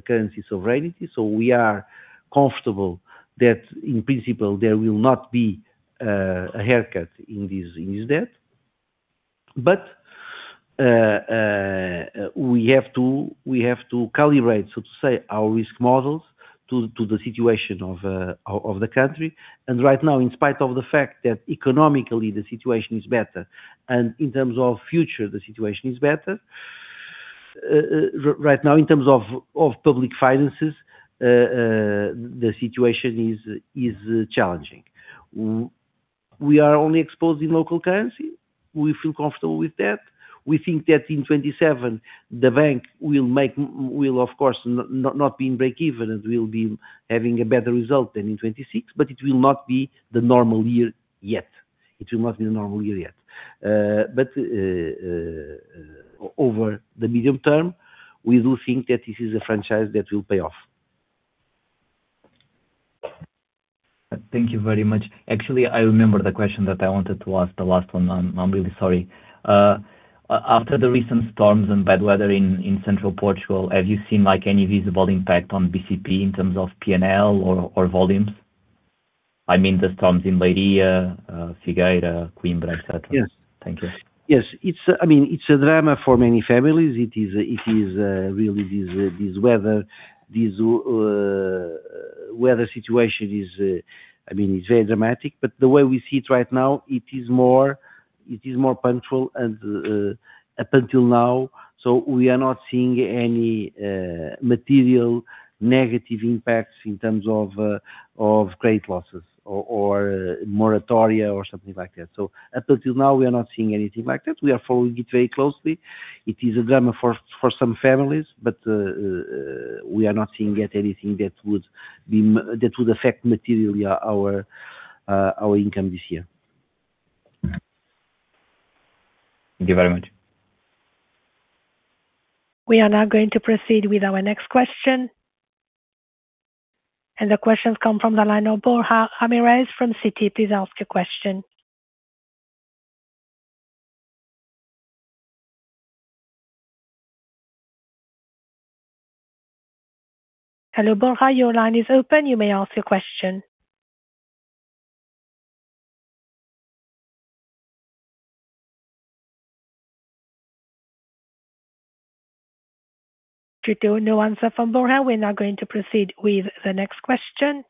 currency sovereignty. We are comfortable that, in principle, there will not be a haircut in this debt. We have to calibrate, so to say, our risk models to the situation of the country. Right now, in spite of the fact that economically, the situation is better and in terms of future, the situation is better, right now, in terms of public finances, the situation is challenging. We are only exposed in local currency. We feel comfortable with that. We think that in 2027, the bank will, of course, not be in break even and will be having a better result than in 2026. It will not be the normal year yet. It will not be the normal year yet. Over the medium term, we do think that this is a franchise that will pay off. Thank you very much. Actually, I remember the question that I wanted to ask, the last one. I'm really sorry. After the recent storms and bad weather in central Portugal, have you seen any visible impact on BCP in terms of P&L or volumes? I mean, the storms in Leiria, Figueira, Coimbra, etc. Yes. Thank you. Yes. I mean, it's a drama for many families. It is really this weather. This weather situation is, I mean, it's very dramatic. The way we see it right now, it is more punctual and up until now. We are not seeing any material negative impacts in terms of credit losses or moratoria or something like that. Up until now, we are not seeing anything like that. We are following it very closely. It is a drama for some families, we are not seeing yet anything that would affect materially our income this year. Thank you very much. We are now going to proceed with our next question. The questions come from the line of Borja Ramirez from Citi. Please ask your question. Hello, Borja. Your line is open. You may ask your question. Due to no answer from Borja, we are now going to proceed with the next question.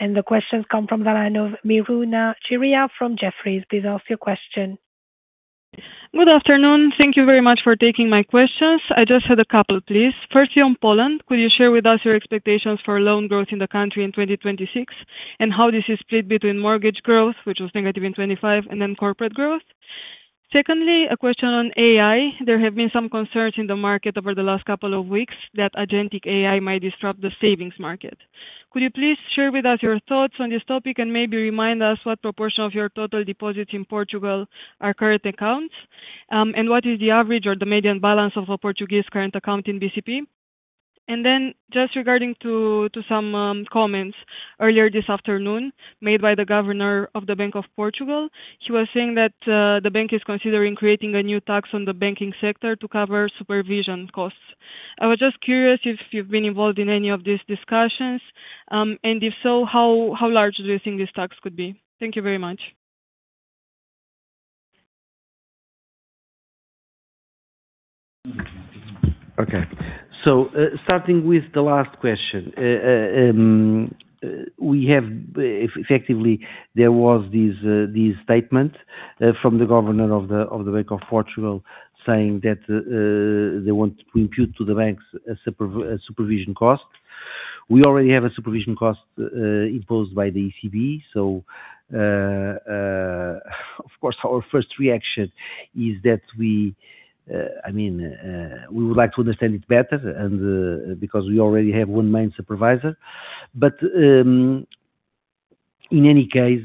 The questions come from the line of Miruna Chirea from Jefferies. Please ask your question. Good afternoon. Thank you very much for taking my questions. I just had a couple, please. Firstly, on Poland, could you share with us your expectations for loan growth in the country in 2026 and how this is split between mortgage growth, which was negative in 2025, and then corporate growth? Secondly, a question on AI. There have been some concerns in the market over the last couple of weeks that agentic AI might disrupt the savings market. Could you please share with us your thoughts on this topic and maybe remind us what proportion of your total deposits in Portugal are current accounts and what is the average or the median balance of a Portuguese current account in BCP? Just regarding to some comments earlier this afternoon made by the governor of the Bank of Portugal, he was saying that the bank is considering creating a new tax on the banking sector to cover supervision costs. I was just curious if you've been involved in any of these discussions. If so, how large do you think this tax could be? Thank you very much. Okay. Starting with the last question, we have effectively, there was this statement from the governor of the Bank of Portugal saying that they want to impute to the banks a supervision cost. We already have a supervision cost imposed by the ECB. Of course, our first reaction is that we, I mean, we would like to understand it better because we already have one main supervisor. In any case,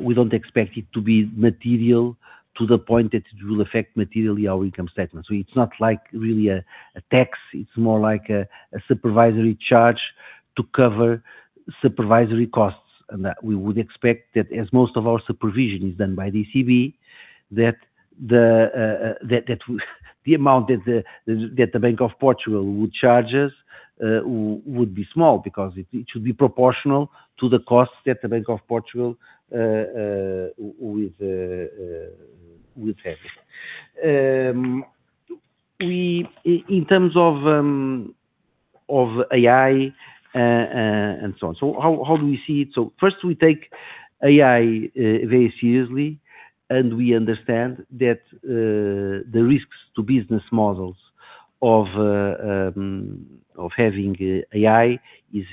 we don't expect it to be material to the point that it will affect materially our income statements. It's not like really a tax. It's more like a supervisory charge to cover supervisory costs. We would expect that as most of our supervision is done by the ECB, that the amount that the Bank of Portugal would charge us would be small because it should be proportional to the costs that the Bank of Portugal would have. In terms of AI and so on, how do we see it? First, we take AI very seriously, and we understand that the risks to business models of having AI is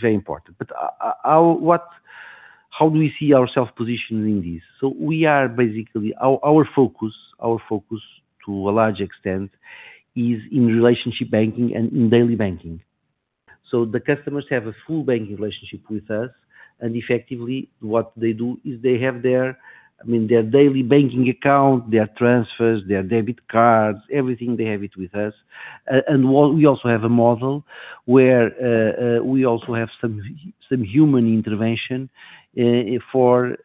very important. How do we see ourselves positioned in this? We are basically our focus, to a large extent, is in relationship banking and in daily banking. The customers have a full banking relationship with us. Effectively, what they do is they have their, I mean, their daily banking account, their transfers, their debit cards, everything, they have it with us. We also have a model where we also have some human intervention for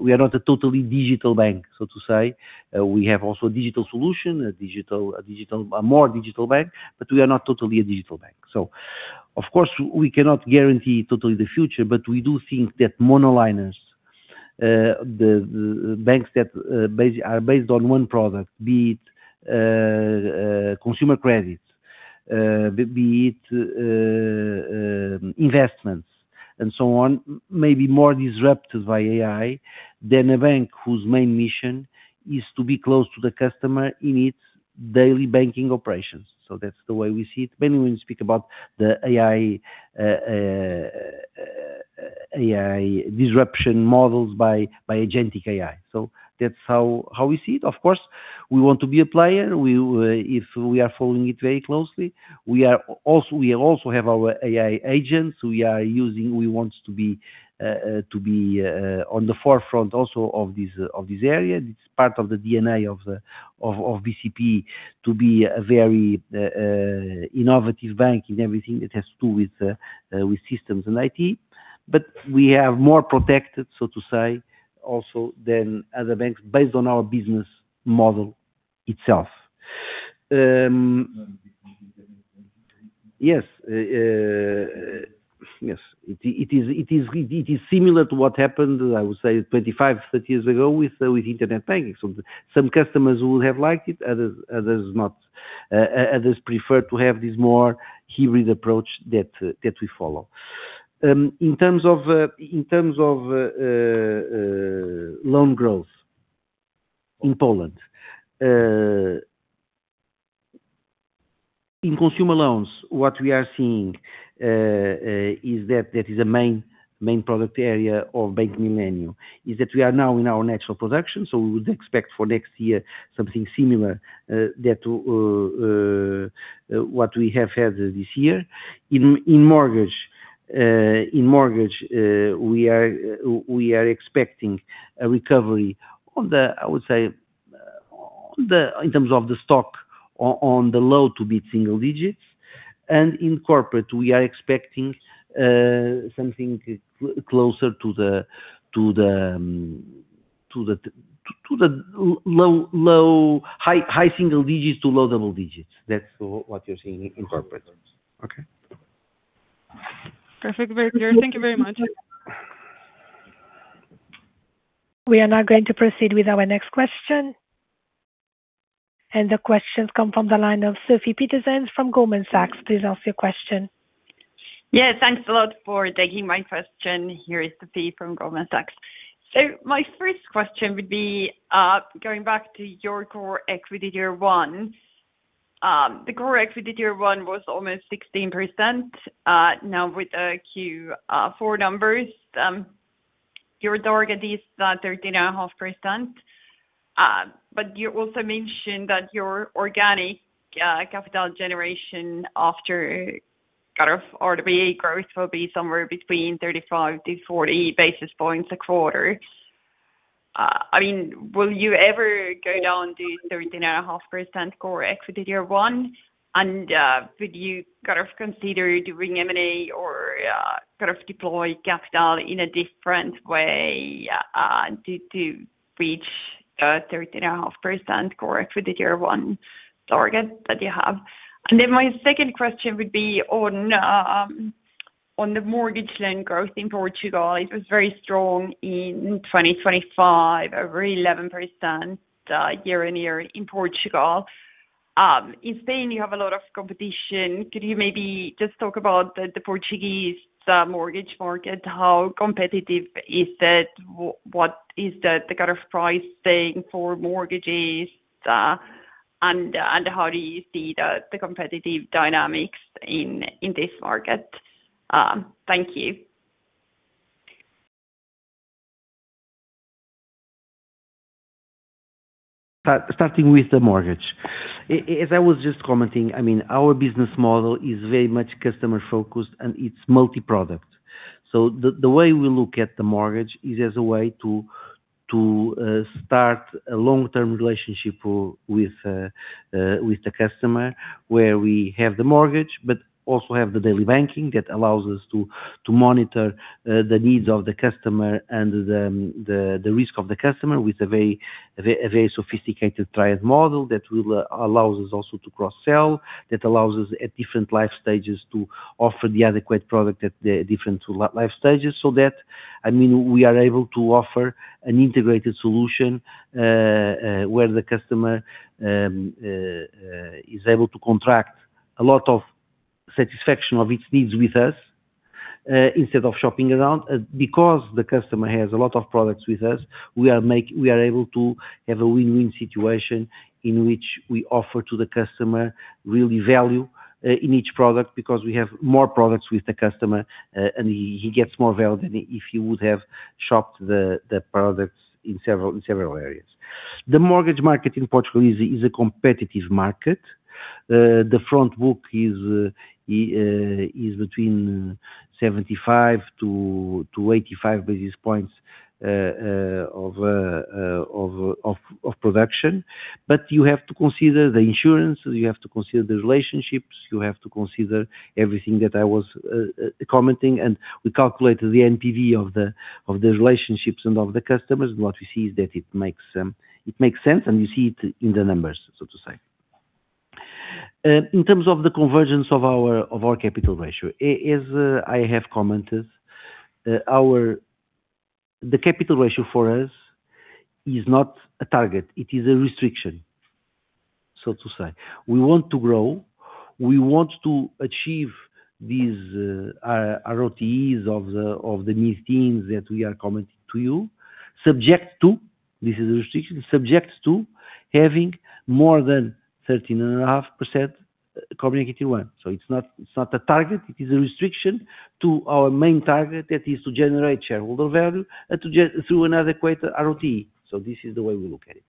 we are not a totally digital bank, so to say. We have also a digital solution, a more digital bank, but we are not totally a digital bank. Of course, we cannot guarantee totally the future, but we do think that mono-liners, the banks that are based on one product, be it consumer credits, be it investments, and so on, may be more disrupted by AI than a bank whose main mission is to be close to the customer in its daily banking operations. That's the way we see it, mainly when we speak about the AI disruption models by agentic AI. That's how we see it. Of course, we want to be a player if we are following it very closely. We also have our AI agents. We want to be on the forefront also of this area. It's part of the DNA of BCP to be a very innovative bank in everything that has to do with systems and IT. We are more protected, so to say, also than other banks based on our business model itself. Yes. Yes. It is similar to what happened, I would say, 25, 30 years ago with internet banking. Some customers would have liked it, others not. Others prefer to have this more hybrid approach that we follow. In terms of loan growth in Poland, in consumer loans, what we are seeing is that that is a main product area of Bank Millennium, is that we are now in our natural production. We would expect for next year something similar to what we have had this year. In mortgage, we are expecting a recovery on the, I would say, in terms of the stock, on the low to be single digits. In corporate, we are expecting something closer to the high single digits to low double digits. That's what you're seeing in corporate. Okay. Perfect. Thank you very much. We are now going to proceed with our next question. The questions come from the line of Sofie Peterzens from Goldman Sachs. Please ask your question. Yes. Thanks a lot for taking my question. Here is Sofie from Goldman Sachs. My first question would be going back to your Core Equity Tier 1. The Core Equity Tier 1 was almost 16%. With the Q4 numbers, your target is that 13.5%. You also mentioned that your organic capital generation after kind of RWA growth will be somewhere between 35-40 basis points a quarter. I mean, will you ever go down to 13.5% Core Equity Tier 1? Would you kind of consider doing M&A or kind of deploy capital in a different way to reach a 13.5% Core Equity Tier 1 target that you have? My second question would be on the mortgage loan growth in Portugal. It was very strong in 2025, over 11% year-over-year in Portugal. In Spain, you have a lot of competition. Could you maybe just talk about the Portuguese mortgage market? How competitive is it? What is the kind of pricing for mortgages? How do you see the competitive dynamics in this market? Thank you. Starting with the mortgage, as I was just commenting, I mean, our business model is very much customer-focused, and it's multi-product. The way we look at the mortgage is as a way to start a long-term relationship with the customer where we have the mortgage, but also have the daily banking that allows us to monitor the needs of the customer and the risk of the customer with a very sophisticated triad model that allows us also to cross-sell, that allows us at different life stages to offer the adequate product at different life stages so that, I mean, we are able to offer an integrated solution where the customer is able to contract a lot of satisfaction of its needs with us instead of shopping around. The customer has a lot of products with us, we are able to have a win-win situation in which we offer to the customer really value in each product because we have more products with the customer, and he gets more value than if he would have shopped the products in several areas. The mortgage market in Portugal is a competitive market. The front book is between 75 to 85 basis points of production. You have to consider the insurance. You have to consider the relationships. You have to consider everything that I was commenting. We calculated the NPV of the relationships and of the customers. What we see is that it makes sense, and you see it in the numbers, so to say. In terms of the convergence of our capital ratio, as I have commented, the capital ratio for us is not a target. It is a restriction, so to say. We want to grow. We want to achieve these ROTEs of the mid-teens that we are commenting to you subject to this is a restriction subject to having more than 13.5% Corporate Equity Tier 1. It's not a target. It is a restriction to our main target that is to generate shareholder value through an adequate ROTE. This is the way we look at it.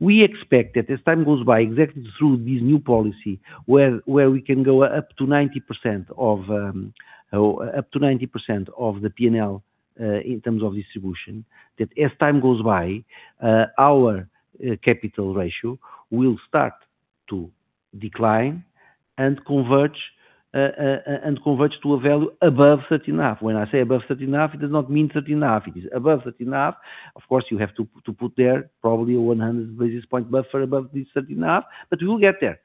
We expect that as time goes by, exactly through this new policy where we can go up to 90% of the P&L in terms of distribution, that as time goes by, our capital ratio will start to decline and converge to a value above 30.5. When I say above 30.5, it does not mean 30.5. It is above 30.5. Of course, you have to put there probably a 100 basis point buffer above this 30.5, but we will get there.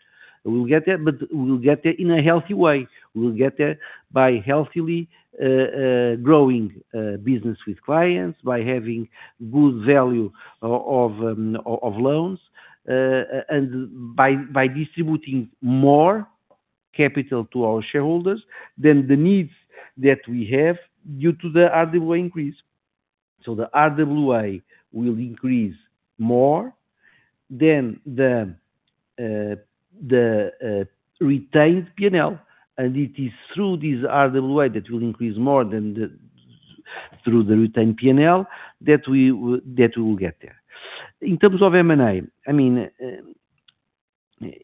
We will get there, but we will get there in a healthy way. We will get there by healthily growing business with clients, by having good value of loans, and by distributing more capital to our shareholders than the needs that we have due to the RWA increase. The RWA will increase more than the retained P&L. It is through this RWA that will increase more than through the retained P&L that we will get there. In terms of M&A, I mean,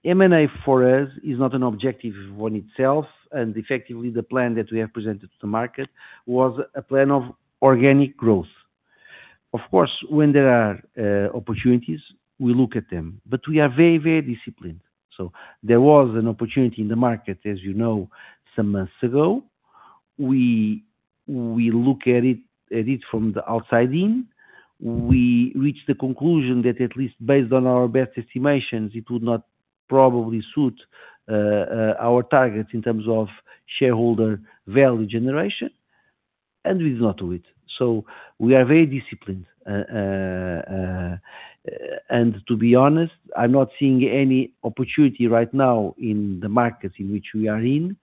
M&A for us is not an objective on itself. Effectively, the plan that we have presented to the market was a plan of organic growth. Of course, when there are opportunities, we look at them, but we are very, very disciplined. There was an opportunity in the market, as you know, some months ago. We look at it from the outside in. We reached the conclusion that at least based on our best estimations, it would not probably suit our targets in terms of shareholder value generation, and we did not do it. We are very disciplined. To be honest, I'm not seeing any opportunity right now in the markets in which we are in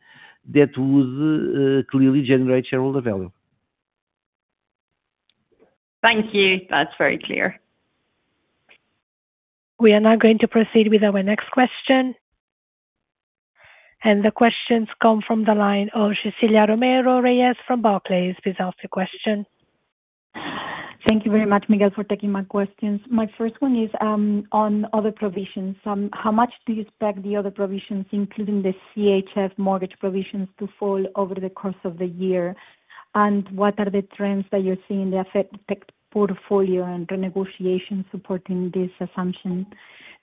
that would clearly generate shareholder value. Thank you. That's very clear. We are now going to proceed with our next question. The questions come from the line of Cecilia Romero Reyes from Barclays. Please ask your question. Thank you very much, Miguel, for taking my questions. My first one is on other provisions. How much do you expect the other provisions, including the CHF mortgage provisions, to fall over the course of the year? What are the trends that you're seeing that affect portfolio and renegotiation supporting this assumption?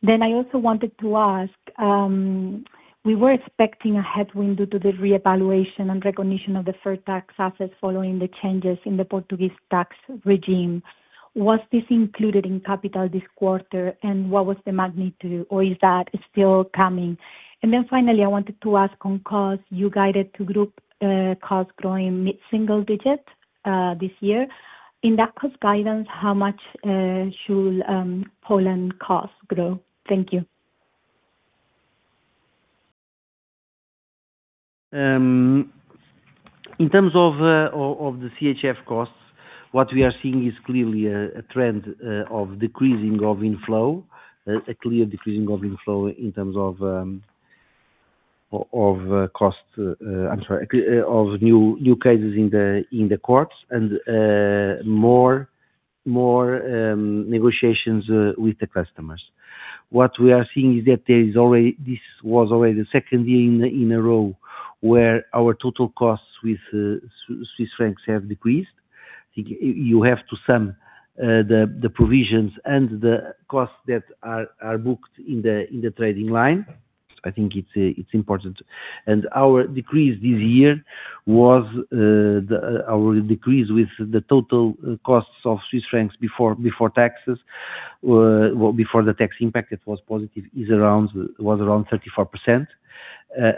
I also wanted to ask, we were expecting a headwind due to the reevaluation and recognition of the Deferred Tax Assets following the changes in the Portuguese tax regime. Was this included in capital this quarter, and what was the magnitude, or is that still coming? Finally, I wanted to ask on cost, you guided to group cost growing mid-single digit this year. In that cost guidance, how much should Poland cost grow? Thank you. In terms of the CHF costs, what we are seeing is clearly a trend of decreasing of inflow, a clear decreasing of inflow in terms of cost, I'm sorry, of new cases in the courts and more negotiations with the customers. What we are seeing is that there is already this was already the second year in a row where our total costs with Swiss francs have decreased. I think you have to sum the provisions and the costs that are booked in the trading line. I think it's important. Our decrease this year was our decrease with the total costs of Swiss francs before taxes, before the tax impact, it was positive, was around 34%.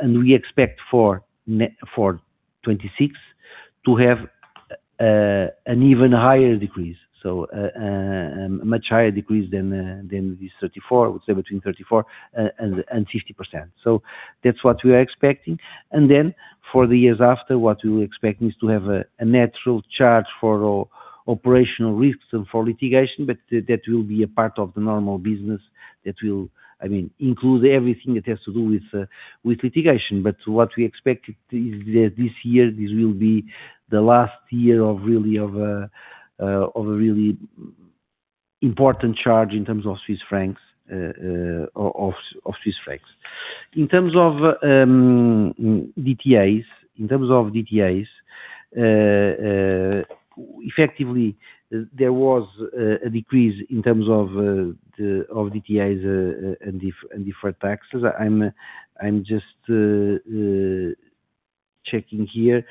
We expect for 2026 to have an even higher decrease, a much higher decrease than this 34%, I would say between 34% and 50%. That's what we are expecting. For the years after, what we will expect is to have a natural charge for operational risks and for litigation, but that will be a part of the normal business that will, I mean, include everything that has to do with litigation. What we expect is that this year, this will be the last year of a really important charge in terms of Swiss francs. In terms of DTAs, effectively, there was a decrease in terms of DTAs and different taxes. I'm just checking here.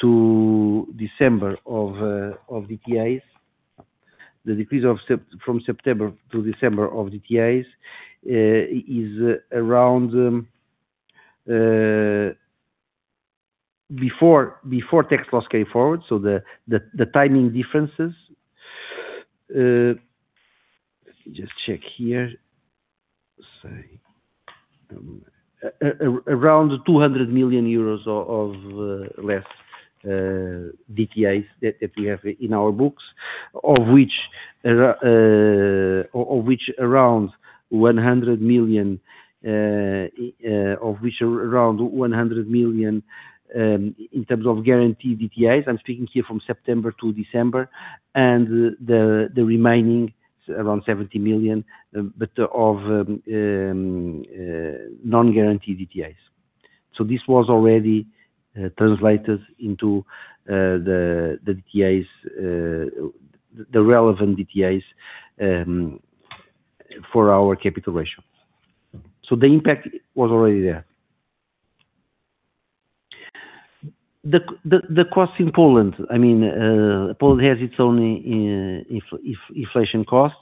The decrease from September to December of DTAs is around before tax loss carried forward, so the timing differences. Let me just check here. Around EUR 200 million of less DTAs that we have in our books, of which around 100 million in terms of guaranteed DTAs. I'm speaking here from September to December, and the remaining around 70 million, but of non-guaranteed DTAs. This was already translated into the relevant DTAs for our capital ratio. The impact was already there. The costs in Poland, I mean, Poland has its own inflation costs.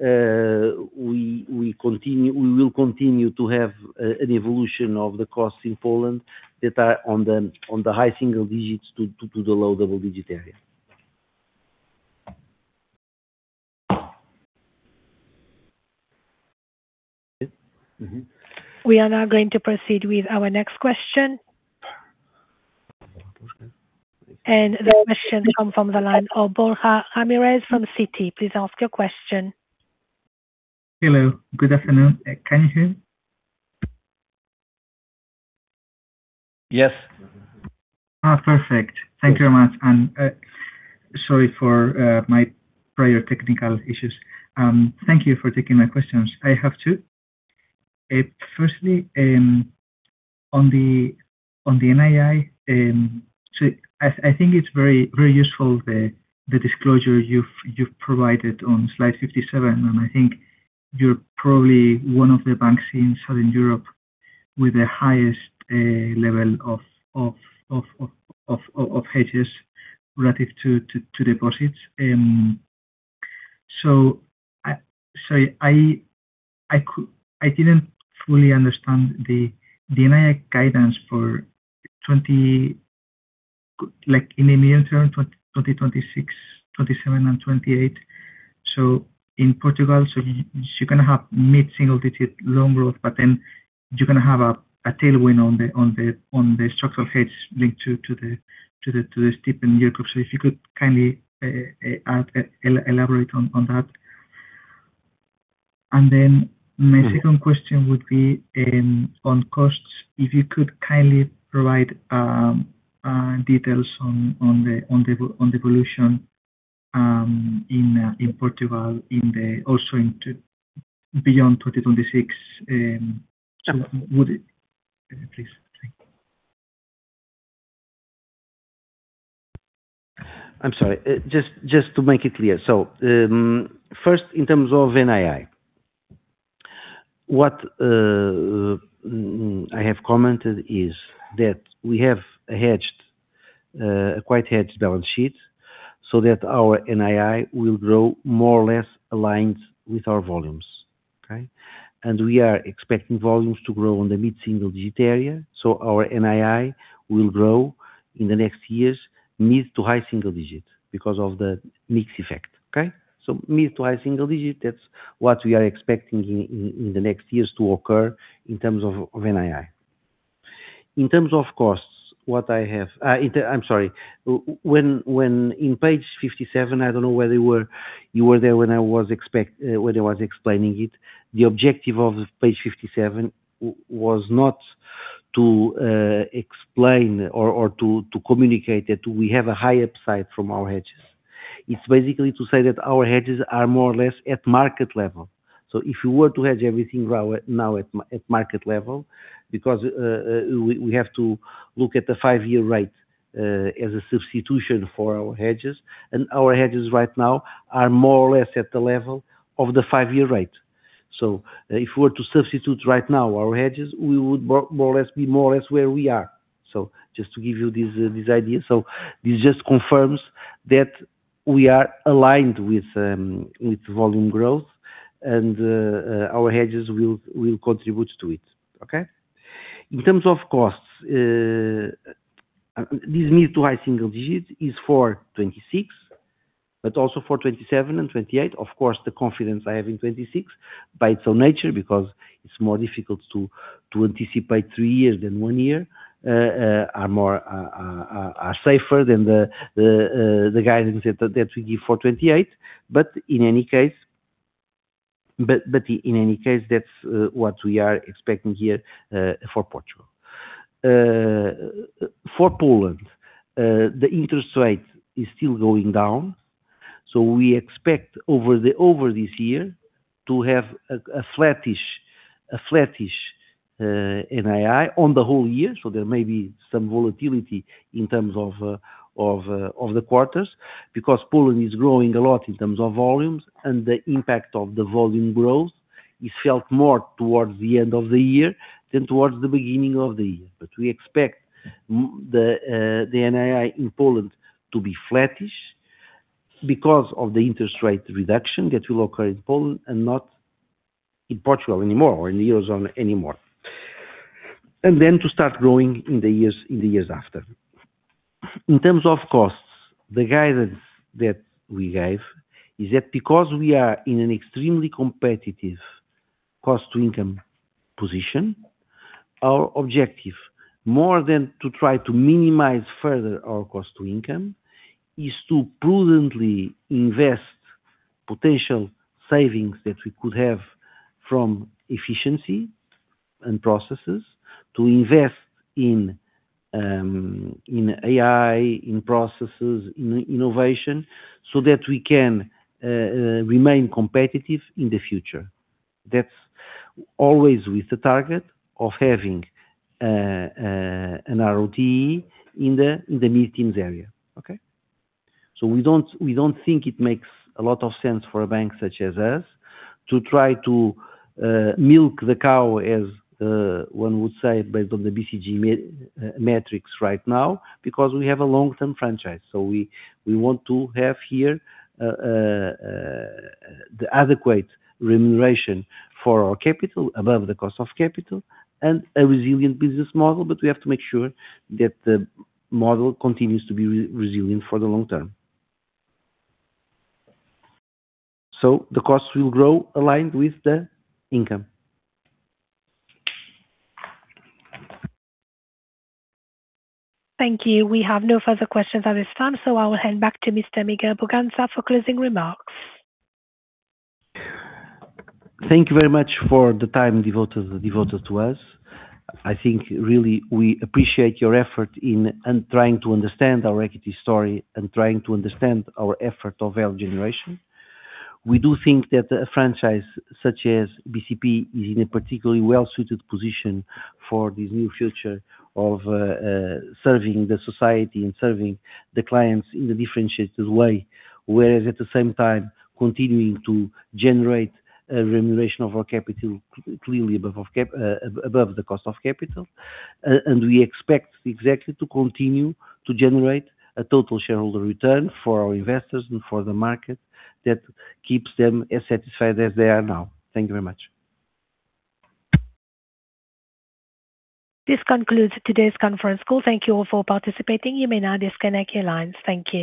We will continue to have an evolution of the costs in Poland that are on the high single digits to the low double-digit area. We are now going to proceed with our next question. The questions come from the line of Borja Ramirez from Citi. Please ask your question. Hello. Good afternoon. Can you hear me? Yes. Perfect. Thank you very much. Sorry for my prior technical issues. Thank you for taking my questions. I have two. Firstly, on the NII, I think it's very useful the disclosure you've provided on slide 57. I think you're probably one of the banks in Southern Europe with the highest level of hedges relative to deposits. Sorry, I didn't fully understand the NII guidance for in the medium term, 2026, 2027, and 2028. In Portugal, you're going to have mid-single digit loan growth, but then you're going to have a tailwind on the structural hedge linked to the steepened yield curve. If you could kindly elaborate on that. My second question would be on costs, if you could kindly provide details on the evolution in Portugal, also beyond 2026. Please. I'm sorry. Just to make it clear. First, in terms of NII, what I have commented is that we have a quite hedged balance sheet so that our NII will grow more or less aligned with our volumes, okay? We are expecting volumes to grow on the mid-single digit area. Our NII will grow in the next years mid to high single digit because of the mix effect, okay? Mid to high single digit, that's what we are expecting in the next years to occur in terms of NII. In terms of costs, I'm sorry. When in page 57, I don't know whether you were there when I was explaining it, the objective of page 57 was not to explain or to communicate that we have a high upside from our hedges. It's basically to say that our hedges are more or less at market level. If you were to hedge everything now at market level because we have to look at the 5-year rate as a substitution for our hedges, and our hedges right now are more or less at the level of the 5-year rate. If we were to substitute right now our hedges, we would more or less be more or less where we are. Just to give you this idea. This just confirms that we are aligned with volume growth, and our hedges will contribute to it, okay. In terms of costs, this mid to high single digit is for 2026, but also for 2027 and 2028. Of course, the confidence I have in 2026 by its own nature because it's more difficult to anticipate three years than one year are safer than the guidance that we give for 2028. In any case, that's what we are expecting here for Portugal. For Poland, the interest rate is still going down. We expect over this year to have a flattish NII on the whole year. There may be some volatility in terms of the quarters because Poland is growing a lot in terms of volumes, and the impact of the volume growth is felt more towards the end of the year than towards the beginning of the year. We expect the NII in Poland to be flattish because of the interest rate reduction that will occur in Poland and not in Portugal anymore or in the eurozone anymore, and then to start growing in the years after. In terms of costs, the guidance that we gave is that because we are in an extremely competitive cost-to-income position, our objective, more than to try to minimize further our cost-to-income, is to prudently invest potential savings that we could have from efficiency and processes, to invest in AI, in processes, in innovation so that we can remain competitive in the future. That's always with the target of having an ROTE in the mid-teens area, okay? We don't think it makes a lot of sense for a bank such as us to try to milk the cow, as one would say, based on the BCG metrics right now because we have a long-term franchise. We want to have here the adequate remuneration for our capital above the cost of capital and a resilient business model. We have to make sure that the model continues to be resilient for the long term. The costs will grow aligned with the income. Thank you. We have no further questions at this time. I will hand back to Mr. Miguel Bragança for closing remarks. Thank you very much for the time devoted to us. I think, really, we appreciate your effort in trying to understand our equity story and trying to understand our effort of value generation. We do think that a franchise such as BCP is in a particularly well-suited position for this new future of serving the society and serving the clients in a differentiated way, whereas at the same time, continuing to generate a remuneration of our capital clearly above the cost of capital. We expect exactly to continue to generate a total shareholder return for our investors and for the market that keeps them as satisfied as they are now. Thank you very much. This concludes today's conference call. Thank you all for participating. You may now disconnect your lines. Thank you.